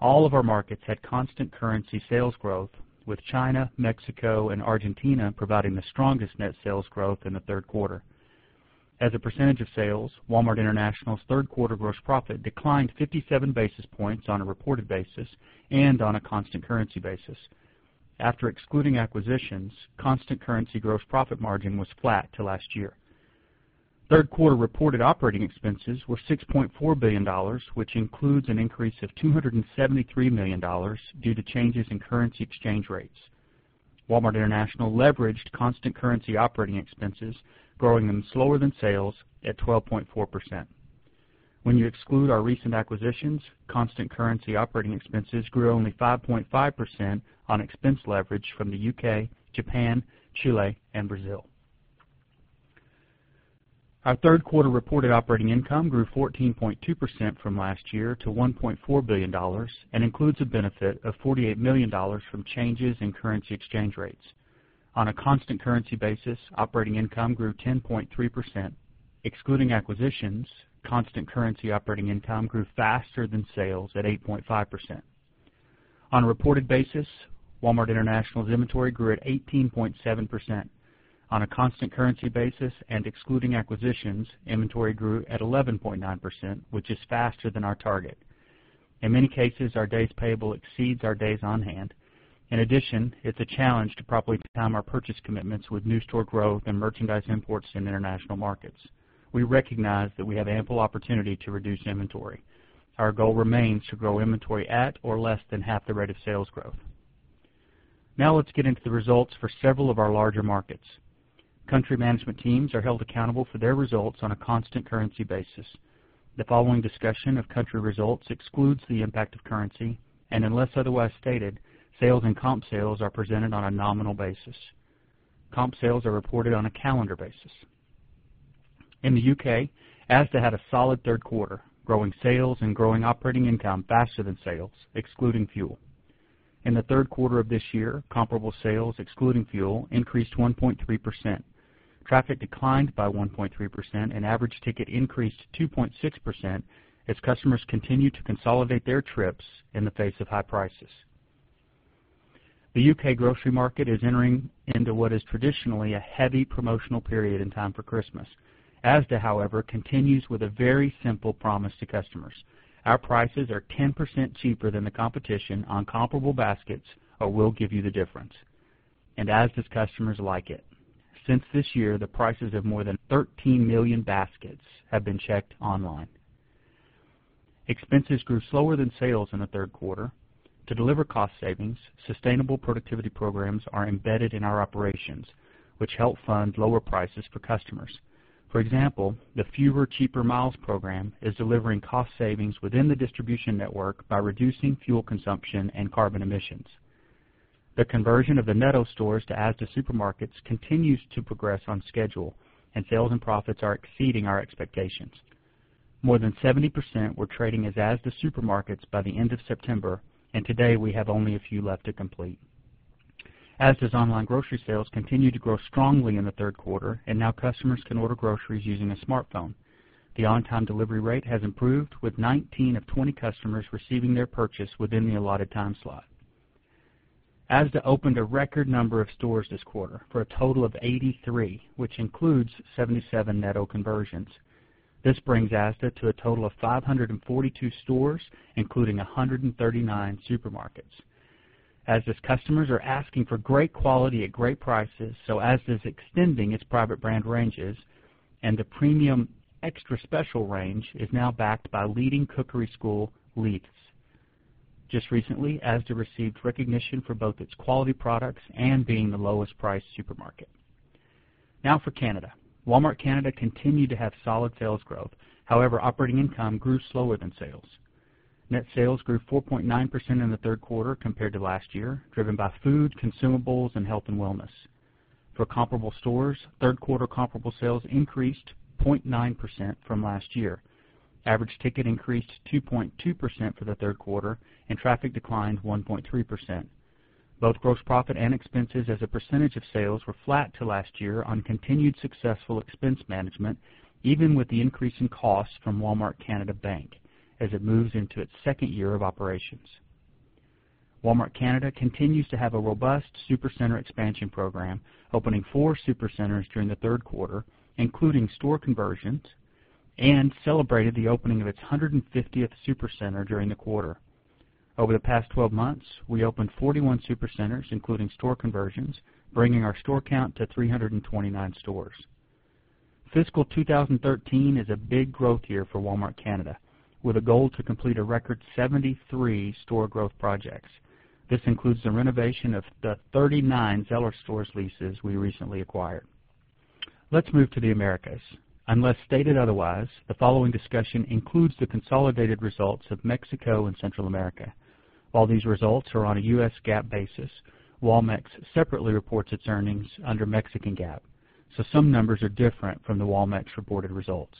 All of our markets had constant currency sales growth, with China, Mexico, and Argentina providing the strongest net sales growth in the third quarter. As a percentage of sales, Walmart International's third-quarter gross profit declined 57 basis points on a reported basis and on a constant currency basis. After excluding acquisitions, constant currency gross profit margin was flat to last year. Third-quarter reported operating expenses were $6.4 billion, which includes an increase of $273 million due to changes in currency exchange rates. Walmart International leveraged constant currency operating expenses, growing them slower than sales at 12.4%. When you exclude our recent acquisitions, constant currency operating expenses grew only 5.5% on expense leverage from the U.K., Japan, Chile, and Brazil. Our third-quarter reported operating income grew 14.2% from last year to $1.4 billion and includes a benefit of $48 million from changes in currency exchange rates. On a constant currency basis, operating income grew 10.3%. Excluding acquisitions, constant currency operating income grew faster than sales at 8.5%. On a reported basis, Walmart International's inventory grew at 18.7%. On a constant currency basis and excluding acquisitions, inventory grew at 11.9%, which is faster than our target. In many cases, our days payable exceeds our days on hand. In addition, it's a challenge to properly time our purchase commitments with new store growth and merchandise imports in international markets. We recognize that we have ample opportunity to reduce inventory. Our goal remains to grow inventory at or less than half the rate of sales growth. Now let's get into the results for several of our larger markets. Country management teams are held accountable for their results on a constant currency basis. The following discussion of country results excludes the impact of currency, and unless otherwise stated, sales and comp sales are presented on a nominal basis. Comp sales are reported on a calendar basis. In the U.K., ASDA had a solid third quarter, growing sales and growing operating income faster than sales, excluding fuel. In the third quarter of this year, comparable sales, excluding fuel, increased 1.3%. Traffic declined by 1.3%, and average ticket increased 2.6% as customers continue to consolidate their trips in the face of high prices. The U.K. grocery market is entering into what is traditionally a heavy promotional period in time for Christmas. ASDA, however, continues with a very simple promise to customers. Our prices are 10% cheaper than the competition on comparable baskets, or we'll give you the difference. ASDA's customers like it. Since this year, the prices of more than 13 million baskets have been checked online. Expenses grew slower than sales in the third quarter. To deliver cost savings, sustainable productivity programs are embedded in our operations, which help fund lower prices for customers. For example, the fewer cheaper miles program is delivering cost savings within the distribution network by reducing fuel consumption and carbon emissions. The conversion of the Netto Stores to ASDA supermarkets continues to progress on schedule, and sales and profits are exceeding our expectations. More than 70% were trading as ASDA supermarkets by the end of September, and today we have only a few left to complete. ASDA's online grocery sales continue to grow strongly in the third quarter, and now customers can order groceries using a smartphone. The on-time delivery rate has improved, with 19 of 20 customers receiving their purchase within the allotted time slot. ASDA opened a record number of stores this quarter for a total of 83, which includes 77 Netto conversions. This brings ASDA to a total of 542 stores, including 139 supermarkets. ASDA's customers are asking for great quality at great prices, so ASDA is extending its private brand ranges, and the premium Extra Special range is now backed by leading cookery school, Leiths. Just recently, ASDA received recognition for both its quality products and being the lowest-priced supermarket. Now for Canada. Walmart Canada continued to have solid sales growth; however, operating income grew slower than sales. Net sales grew 4.9% in the third quarter compared to last year, driven by food, consumables, and health and wellness. For comparable stores, third-quarter comp sales increased 0.9% from last year. Average ticket increased 2.2% for the third quarter, and traffic declined 1.3%. Both gross profit and expenses as a percentage of sales were flat to last year on continued successful expense management, even with the increase in costs from Walmart Canada Bank as it moves into its second year of operations. Walmart Canada continues to have a robust supercenter expansion program, opening four supercenters during the third quarter, including store conversions, and celebrated the opening of its 150th supercenter during the quarter. Over the past 12 months, we opened 41 supercenters, including store conversions, bringing our store count to 329 stores. Fiscal 2013 is a big growth year for Walmart Canada, with a goal to complete a record 73 store growth projects. This includes the renovation of the 39 seller stores' leases we recently acquired. Let's move to the Americas. Unless stated otherwise, the following discussion includes the consolidated results of Mexico and Central America. While these results are on a U.S. GAAP basis, Walmec separately reports its earnings under Mexican GAAP, so some numbers are different from the Walmart's reported results.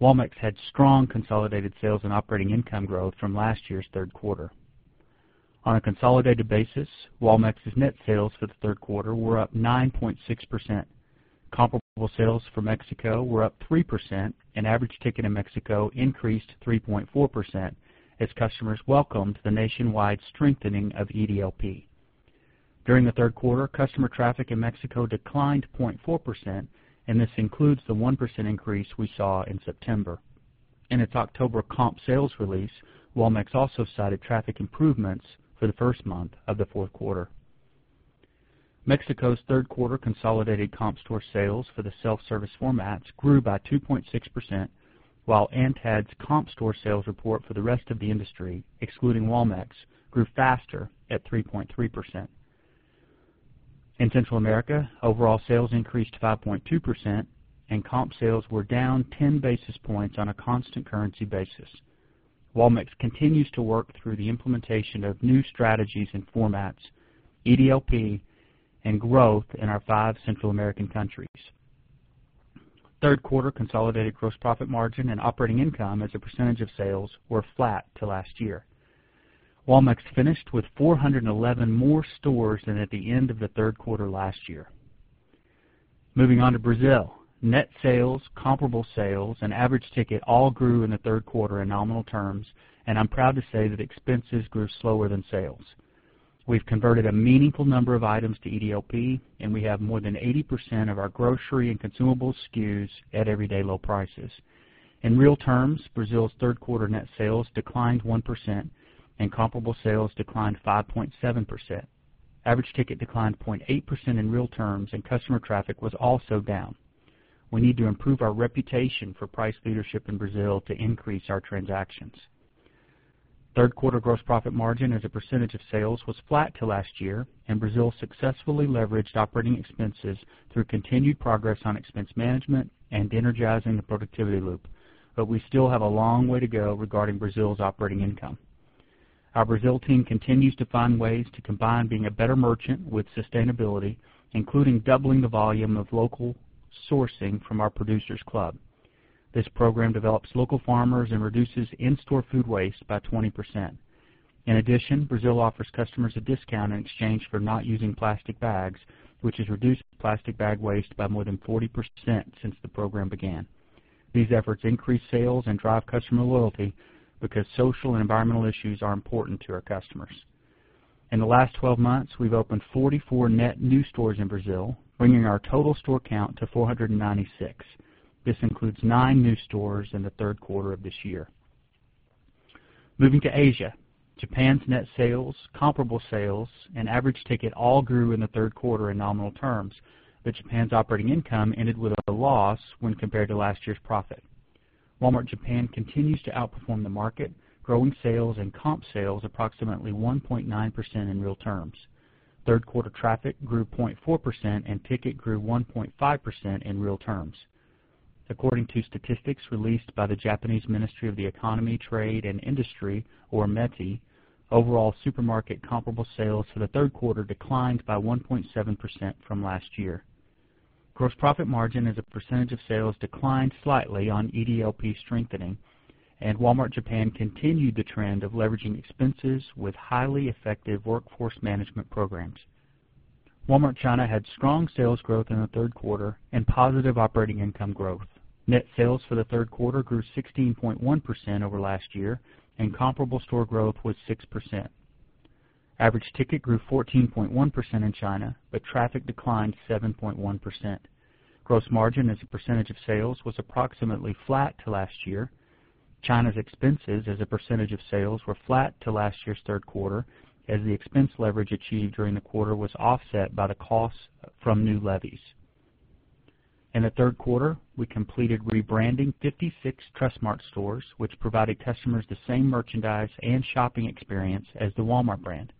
Walmart had strong consolidated sales and operating income growth from last year's third quarter. On a consolidated basis, Walmart's net sales for the third quarter were up 9.6%. Comparable sales for Mexico were up 3%, and average ticket in Mexico increased 3.4% as customers welcomed the nationwide strengthening of EDLP. During the third quarter, customer traffic in Mexico declined 0.4%, and this includes the 1% increase we saw in September. In its October comp sales release, Walmart also cited traffic improvements for the first month of the fourth quarter. Mexico's third-quarter consolidated comp store sales for the self-service formats grew by 2.6%, while ANTAD's comp store sales report for the rest of the industry, excluding Walmart, grew faster at 3.3%. In Central America, overall sales increased 5.2%, and comp sales were down 10 basis points on a constant currency basis. Walmart continues to work through the implementation of new strategies and formats, EDLP, and growth in our five Central American countries. Third-quarter consolidated gross profit margin and operating income as a percentage of sales were flat to last year. Walmart finished with 411 more stores than at the end of the third quarter last year. Moving on to Brazil, net sales, comparable sales, and average ticket all grew in the third quarter in nominal terms, and I'm proud to say that expenses grew slower than sales. We've converted a meaningful number of items to EDLP, and we have more than 80% of our grocery and consumables SKUs at everyday low prices. In real terms, Brazil's third-quarter net sales declined 1%, and comparable sales declined 5.7%. Average ticket declined 0.8% in real terms, and customer traffic was also down. We need to improve our reputation for price leadership in Brazil to increase our transactions. Third-quarter gross profit margin as a percentage of sales was flat to last year, and Brazil successfully leveraged operating expenses through continued progress on expense management and energizing the productivity loop. We still have a long way to go regarding Brazil's operating income. Our Brazil team continues to find ways to combine being a better merchant with sustainability, including doubling the volume of local sourcing from our producers' club. This program develops local farmers and reduces in-store food waste by 20%. In addition, Brazil offers customers a discount in exchange for not using plastic bags, which has reduced plastic bag waste by more than 40% since the program began. These efforts increase sales and drive customer loyalty because social and environmental issues are important to our customers. In the last 12 months, we've opened 44 net new stores in Brazil, bringing our total store count to 496. This includes nine new stores in the third quarter of this year. Moving to Asia, Japan's net sales, comp sales, and average ticket all grew in the third quarter in nominal terms, but Japan's operating income ended with a loss when compared to last year's profit. Walmart Japan continues to outperform the market, growing sales and comp sales approximately 1.9% in real terms. Third-quarter traffic grew 0.4%, and ticket grew 1.5% in real terms. According to statistics released by the Japanese Ministry of the Economy, Trade, and Industry, or METI, overall supermarket comp sales for the third quarter declined by 1.7% from last year. Gross profit margin as a percentage of sales declined slightly on EDLP strengthening, and Walmart Japan continued the trend of leveraging expenses with highly effective workforce management programs. Walmart China had strong sales growth in the third quarter and positive operating income growth. Net sales for the third quarter grew 16.1% over last year, and comparable store growth was 6%. Average ticket grew 14.1% in China, but traffic declined 7.1%. Gross margin as a percentage of sales was approximately flat to last year. China's expenses as a percentage of sales were flat to last year's third quarter, as the expense leverage achieved during the quarter was offset by the costs from new levies. In the third quarter, we completed rebranding 56 Trust-Mart stores, which provided customers the same merchandise and shopping experience as the Walmart brand.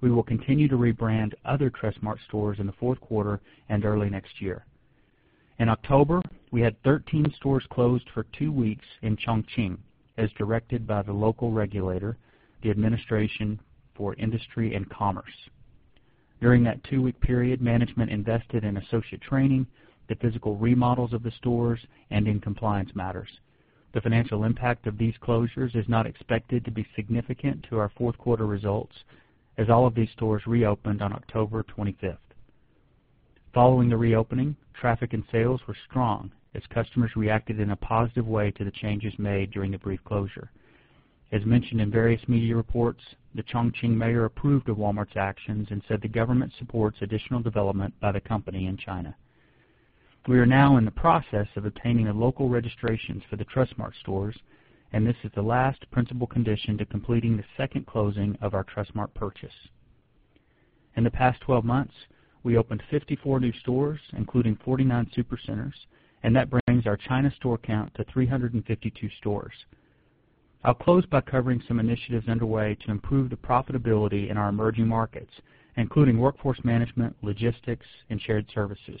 We will continue to rebrand other Trust-Mart stores in the fourth quarter and early next year. In October, we had 13 stores closed for two weeks in Chongqing as directed by the local regulator, the Administration for Industry and Commerce. During that two-week period, management invested in associate training, the physical remodels of the stores, and in compliance matters. The financial impact of these closures is not expected to be significant to our fourth-quarter results as all of these stores reopened on October 25th. Following the reopening, traffic and sales were strong as customers reacted in a positive way to the changes made during the brief closure. As mentioned in various media reports, the Chongqing mayor approved of Walmart's actions and said the government supports additional development by the company in China. We are now in the process of obtaining the local registrations for the Trust-Mart stores, and this is the last principal condition to completing the second closing of our Trust-Mart purchase. In the past 12 months, we opened 54 new stores, including 49 supercenters, and that brings our China store count to 352 stores. I'll close by covering some initiatives underway to improve the profitability in our emerging markets, including workforce management, logistics, and shared services.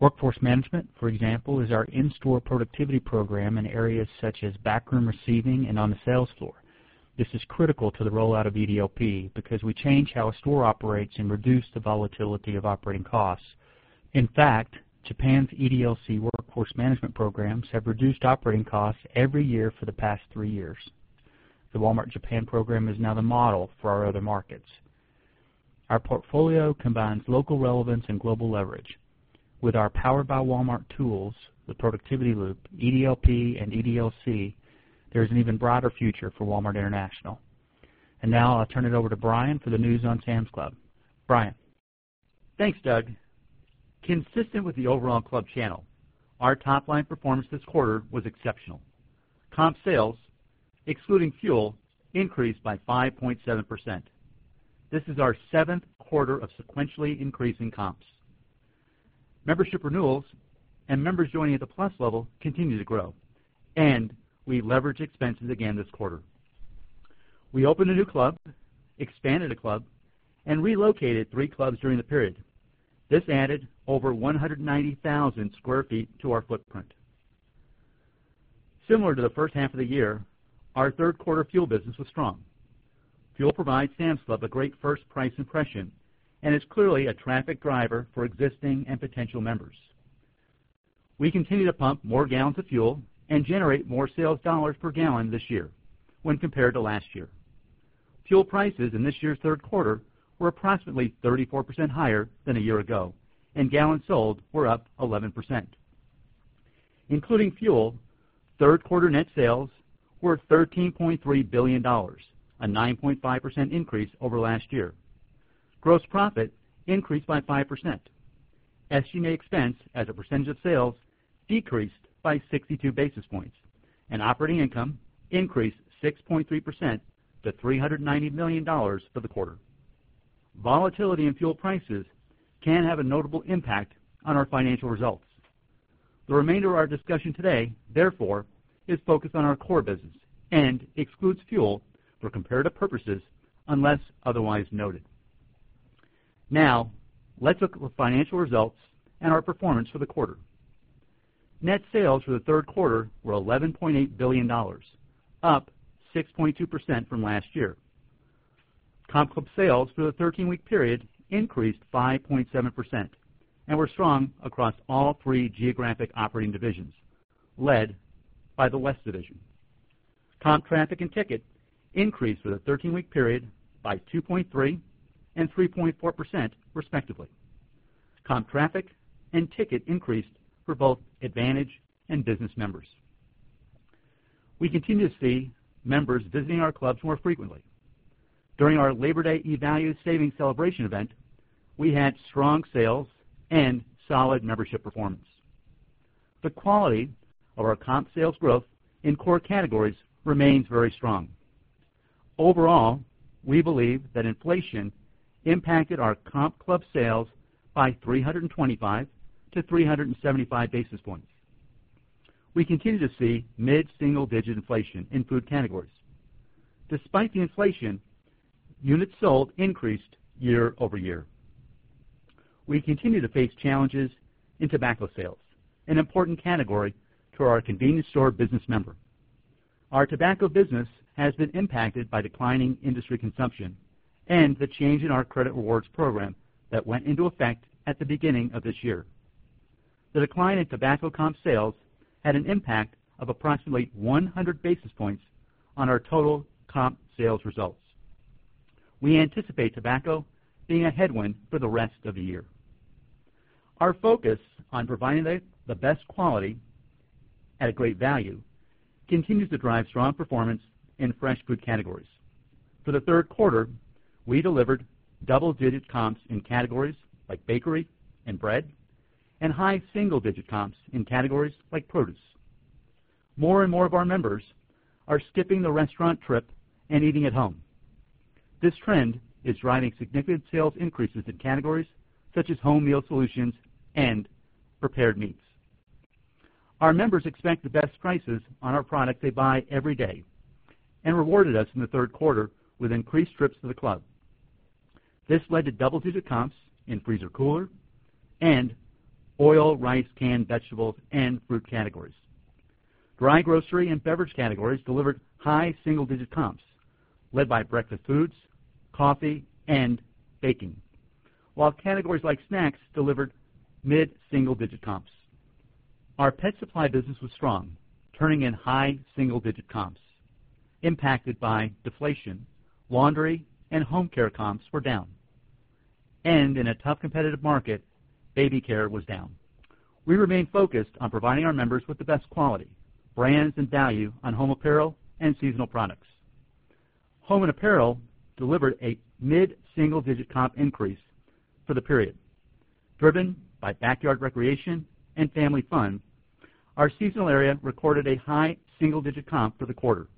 Workforce management, for example, is our in-store productivity program in areas such as backroom receiving and on the sales floor. This is critical to the rollout of EDLP because we change how a store operates and reduce the volatility of operating costs. In fact, Japan's EDLC workforce management programs have reduced operating costs every year for the past three years. The Walmart Japan program is now the model for our other markets. Our portfolio combines local relevance and global leverage. With our powered-by-Walmart tools, the productivity loop, EDLP, and EDLC, there's an even brighter future for Walmart International. Now I'll turn it over to Brian for the news on Sam's Club. Brian. Thanks, Doug. Consistent with the overall club channel, our top-line performance this quarter was exceptional. Comp sales, excluding fuel, increased by 5.7%. This is our seventh quarter of sequentially increasing comps. Membership renewals and members joining at the Plus level continue to grow, and we leveraged expenses again this quarter. We opened a new club, expanded a club, and relocated three clubs during the period. This added over 190,000 sq ft to our footprint. Similar to the first half of the year, our third-quarter fuel business was strong. Fuel provides Sam's Club a great first price impression and is clearly a traffic driver for existing and potential members. We continue to pump more gallons of fuel and generate more sales dollars per gallon this year when compared to last year. Fuel prices in this year's third quarter were approximately 34% higher than a year ago, and gallons sold were up 11%. Including fuel, third-quarter net sales were $13.3 billion, a 9.5% increase over last year. Gross profit increased by 5%. SG&A expense, as a percentage of sales, decreased by 62 basis points, and operating income increased 6.3% to $390 million for the quarter. Volatility in fuel prices can have a notable impact on our financial results. The remainder of our discussion today, therefore, is focused on our core business and excludes fuel for comparative purposes unless otherwise noted. Now, let's look at the financial results and our performance for the quarter. Net sales for the third quarter were $11.8 billion, up 6.2% from last year. Comp sales for the 13-week period increased 5.7% and were strong across all three geographic operating divisions, led by the West Division. Comp traffic and ticket increased for the 13-week period by 2.3% and 3.4% respectively. Comp traffic and ticket increased for both Advantage and Business members. We continue to see members visiting our clubs more frequently. During our Labor Day eValue Savings Celebration event, we had strong sales and solid membership performance. The quality of our comp sales growth in core categories remains very strong. Overall, we believe that inflation impacted our comp club sales by 325 basis points-375 basis points. We continue to see mid-single-digit inflation in food categories. Despite the inflation, units sold increased year-over-year. We continue to face challenges in tobacco sales, an important category to our convenience store business member. Our tobacco business has been impacted by declining industry consumption and the change in our credit rewards program that went into effect at the beginning of this year. The decline in tobacco comp sales had an impact of approximately 100 basis points on our total comp sales results. We anticipate tobacco being a headwind for the rest of the year. Our focus on providing the best quality at a great value continues to drive strong performance in fresh food categories. For the third quarter, we delivered double-digit comps in categories like bakery and bread and high single-digit comps in categories like produce. More and more of our members are skipping the restaurant trip and eating at home. This trend is driving significant sales increases in categories such as home meal solutions and prepared meats. Our members expect the best prices on our product they buy every day and rewarded us in the third quarter with increased trips to the club. This led to double-digit comps in freezer, cooler, and oil, rice, canned vegetables, and fruit categories. Dry grocery and beverage categories delivered high single-digit comps led by breakfast foods, coffee, and baking, while categories like snacks delivered mid-single-digit comps. Our pet supply business was strong, turning in high single-digit comps. Impacted by deflation, laundry and home care comps were down. In a tough competitive market, baby care was down. We remain focused on providing our members with the best quality, brands, and value on home apparel and seasonal products. Home and apparel delivered a mid-single-digit comp increase for the period. Driven by backyard recreation and family fun, our seasonal area recorded a high single-digit comp for the quarter.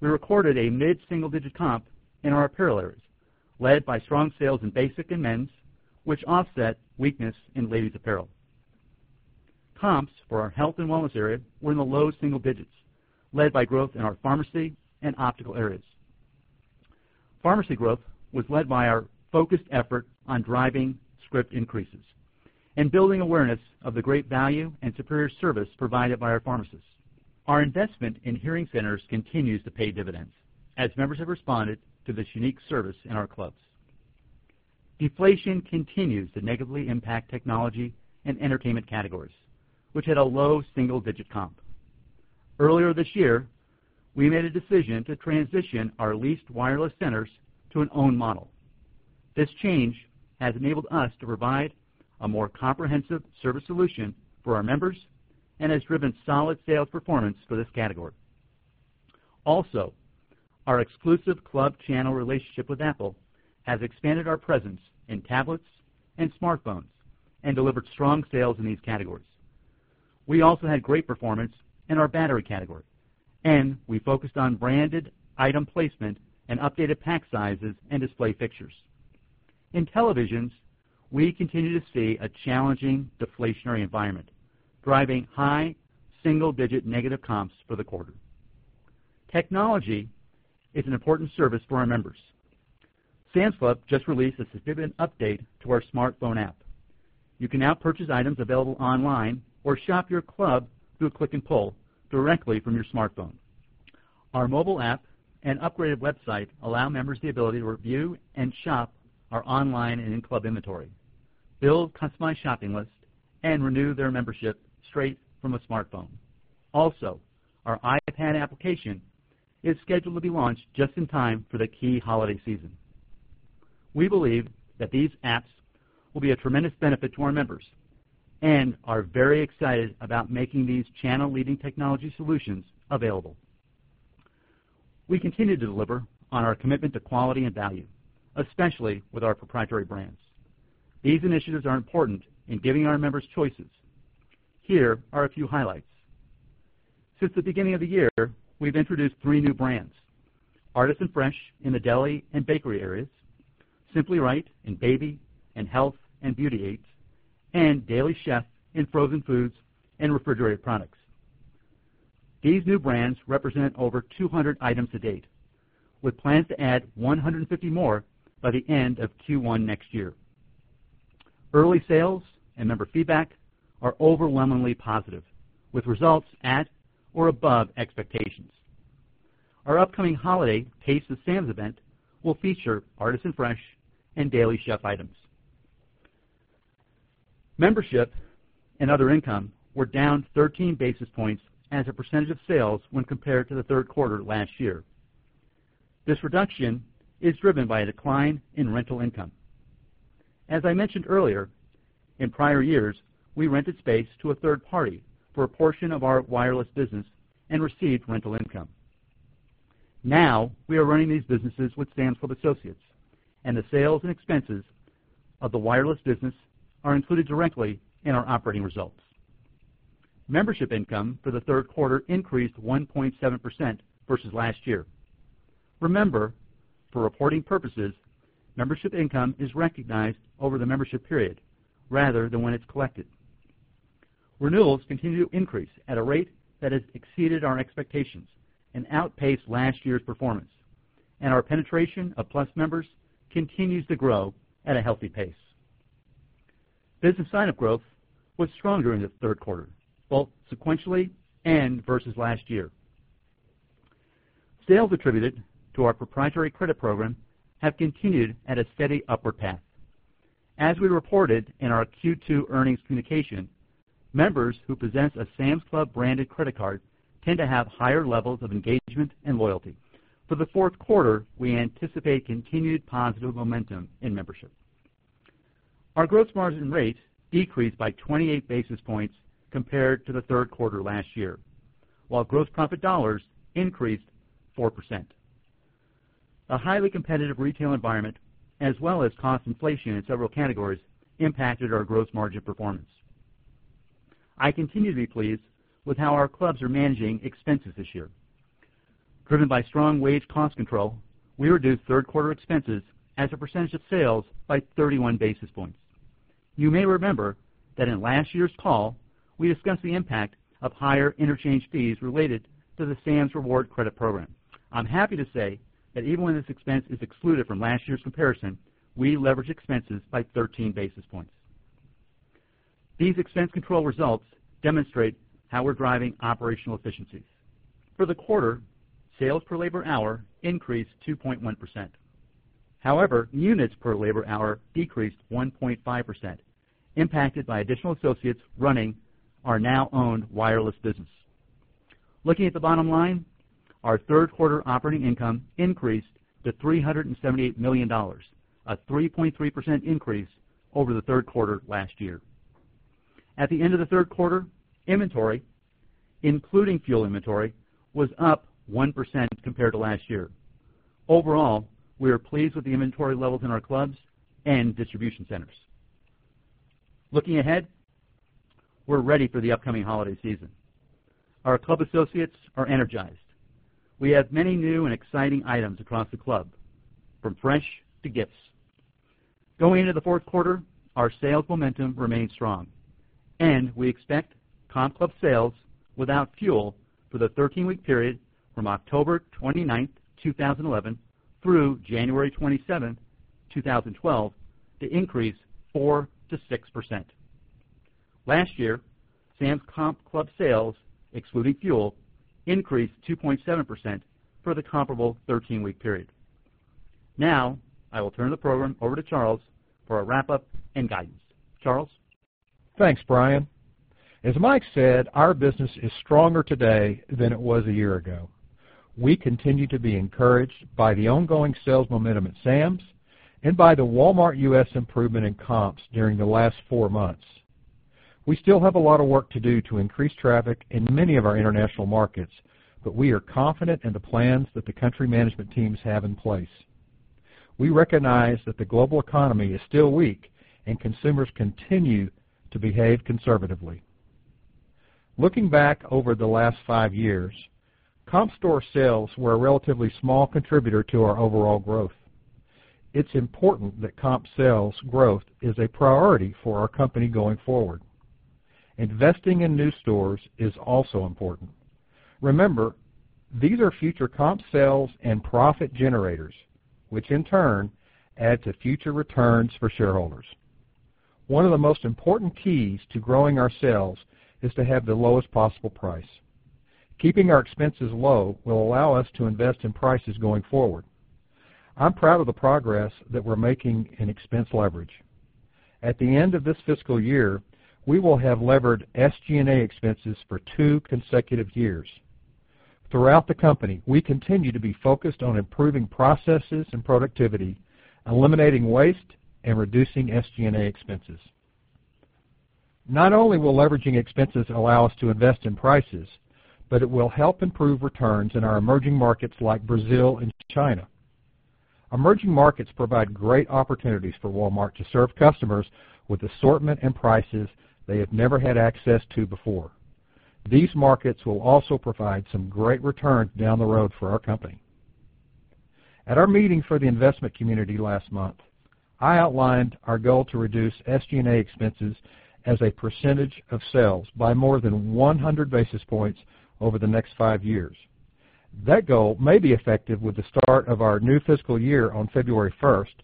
We recorded a mid-single-digit comp in our apparel areas, led by strong sales in basic and men's, which offset weakness in ladies' apparel. Comps for our health and wellness area were in the low single digits, led by growth in our pharmacy and optical areas. Pharmacy growth was led by our focused effort on driving script increases and building awareness of the great value and superior service provided by our pharmacists. Our investment in hearing centers continues to pay dividends as members have responded to this unique service in our clubs. Deflation continues to negatively impact technology and entertainment categories, which had a low single-digit comp. Earlier this year, we made a decision to transition our leased wireless centers to an own model. This change has enabled us to provide a more comprehensive service solution for our members and has driven solid sales performance for this category. Also, our exclusive club channel relationship with Apple has expanded our presence in tablets and smartphones and delivered strong sales in these categories. We also had great performance in our battery category, and we focused on branded item placement and updated pack sizes and display fixtures. In televisions, we continue to see a challenging deflationary environment, driving high single-digit negative comps for the quarter. Technology is an important service for our members. Sam's Club just released a significant update to our smartphone app. You can now purchase items available online or shop your club through a click and pull directly from your smartphone. Our mobile app and upgraded website allow members the ability to review and shop our online and in-club inventory, build customized shopping lists, and renew their membership straight from a smartphone. Also, our iPad application is scheduled to be launched just in time for the key holiday season. We believe that these apps will be a tremendous benefit to our members and are very excited about making these channel-leading technology solutions available. We continue to deliver on our commitment to quality and value, especially with our proprietary brands. These initiatives are important in giving our members choices. Here are a few highlights. Since the beginning of the year, we've introduced three new brands: Artisan Fresh in the deli and bakery areas, Simply Right in baby and health and beauty aids, and Daily Chef in frozen foods and refrigerated products. These new brands represent over 200 items to date, with plans to add 150 more by the end of Q1 next year. Early sales and member feedback are overwhelmingly positive, with results at or above expectations. Our upcoming holiday taste of Sam's event will feature Artisan Fresh and Daily Chef items. Membership and other income were down 13 basis points as a percentage of sales when compared to the third quarter last year. This reduction is driven by a decline in rental income. As I mentioned earlier, in prior years, we rented space to a third party for a portion of our wireless business and received rental income. Now we are running these businesses with Sam's Club Associates, and the sales and expenses of the wireless business are included directly in our operating results. Membership income for the third quarter increased. 1.7% versus last year. Remember, for reporting purposes, membership income is recognized over the membership period rather than when it's collected. Renewals continue to increase at a rate that has exceeded our expectations and outpaced last year's performance, and our penetration of Plus members continues to grow at a healthy pace. Business sign-up growth was strong during the third quarter, both sequentially and versus last year. Sales attributed to our proprietary credit program have continued at a steady upward path. As we reported in our Q2 earnings communication, members who possess a Sam's Club branded credit card tend to have higher levels of engagement and loyalty. For the fourth quarter, we anticipate continued positive momentum in membership. Our gross margin rate decreased by 28 basis points compared to the third quarter last year, while gross profit dollars increased 4%. A highly competitive retail environment, as well as cost inflation in several categories, impacted our gross margin performance. I continue to be pleased with how our clubs are managing expenses this year. Driven by strong wage cost control, we reduced third quarter expenses as a percentage of sales by 31 basis points. You may remember that in last year's call, we discussed the impact of higher interchange fees related to the Sam's Reward credit program. I'm happy to say that even when this expense is excluded from last year's comparison, we leverage expenses by 13 basis points. These expense control results demonstrate how we're driving operational efficiencies. For the quarter, sales per labor hour increased 2.1%. However, units per labor hour decreased 1.5%, impacted by additional associates running our now owned wireless business. Looking at the bottom line, our third quarter operating income increased to $378 million, a 3.3% increase over the third quarter last year. At the end of the third quarter, inventory, including fuel inventory, was up 1% compared to last year. Overall, we are pleased with the inventory levels in our clubs and distribution centers. Looking ahead, we're ready for the upcoming holiday season. Our club associates are energized. We have many new and exciting items across the club, from fresh to gifts. Going into the fourth quarter, our sales momentum remains strong, and we expect comp club sales without fuel for the 13-week period from October 29th, 2011, through January 27th, 2012, to increase 4%-6%. Last year, Sam's comp club sales, excluding fuel, increased 2.7% for the comparable 13-week period. Now, I will turn the program over to Charles for a wrap-up and guidance. Charles? Thanks, Brian. As Mike said, our business is stronger today than it was a year ago. We continue to be encouraged by the ongoing sales momentum at Sam's Club and by the Walmart US improvement in comps during the last four months. We still have a lot of work to do to increase traffic in many of our international markets, but we are confident in the plans that the country management teams have in place. We recognize that the global economy is still weak, and consumers continue to behave conservatively. Looking back over the last five years, comp sales were a relatively small contributor to our overall growth. It's important that comp sales growth is a priority for our company going forward. Investing in new stores is also important. Remember, these are future comp sales and profit generators, which in turn add to future returns for shareholders. One of the most important keys to growing our sales is to have the lowest possible price. Keeping our expenses low will allow us to invest in prices going forward. I'm proud of the progress that we're making in expense leverage. At the end of this fiscal year, we will have levered SG&A expenses for two consecutive years. Throughout the company, we continue to be focused on improving processes and productivity, eliminating waste, and reducing SG&A expenses. Not only will leveraging expenses allow us to invest in prices, but it will help improve returns in our emerging markets like Brazil and China. Emerging markets provide great opportunities for Walmart to serve customers with assortment and prices they have never had access to before. These markets will also provide some great returns down the road for our company. At our meeting for the investment community last month, I outlined our goal to reduce SG&A expenses as a percentage of sales by more than 100 basis points over the next five years. That goal may be effective with the start of our new fiscal year on February 1st,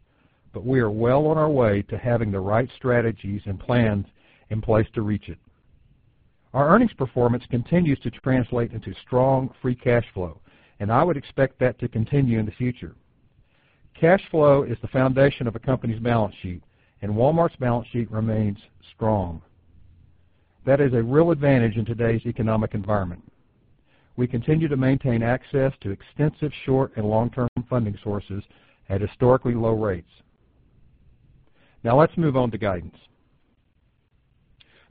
but we are well on our way to having the right strategies and plans in place to reach it. Our earnings performance continues to translate into strong free cash flow, and I would expect that to continue in the future. Cash flow is the foundation of a company's balance sheet, and Walmart's balance sheet remains strong. That is a real advantage in today's economic environment. We continue to maintain access to extensive short and long-term funding sources at historically low rates. Now, let's move on to guidance.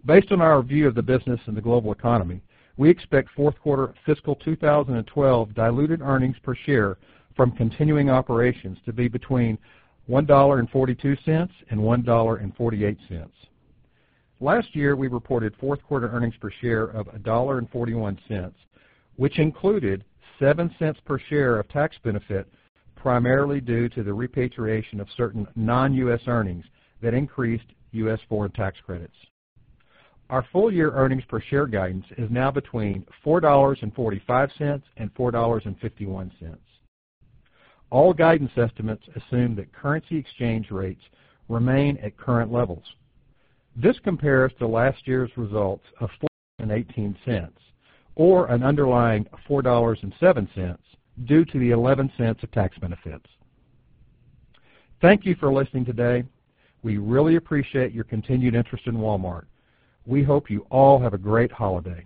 Based on our view of the business and the global economy, we expect fourth quarter fiscal 2012 diluted earnings per share from continuing operations to be between $1.42 and $1.48. Last year, we reported fourth quarter earnings per share of $1.41, which included $0.07 per share of tax benefit, primarily due to the repatriation of certain non-U.S. earnings that increased U.S. foreign tax credits. Our full-year earnings per share guidance is now between $4.45 and $4.51. All guidance estimates assume that currency exchange rates remain at current levels. This compares to last year's results of $4.18, or an underlying $4.07 due to the $0.11 of tax benefits. Thank you for listening today. We really appreciate your continued interest in Walmart. We hope you all have a great holiday.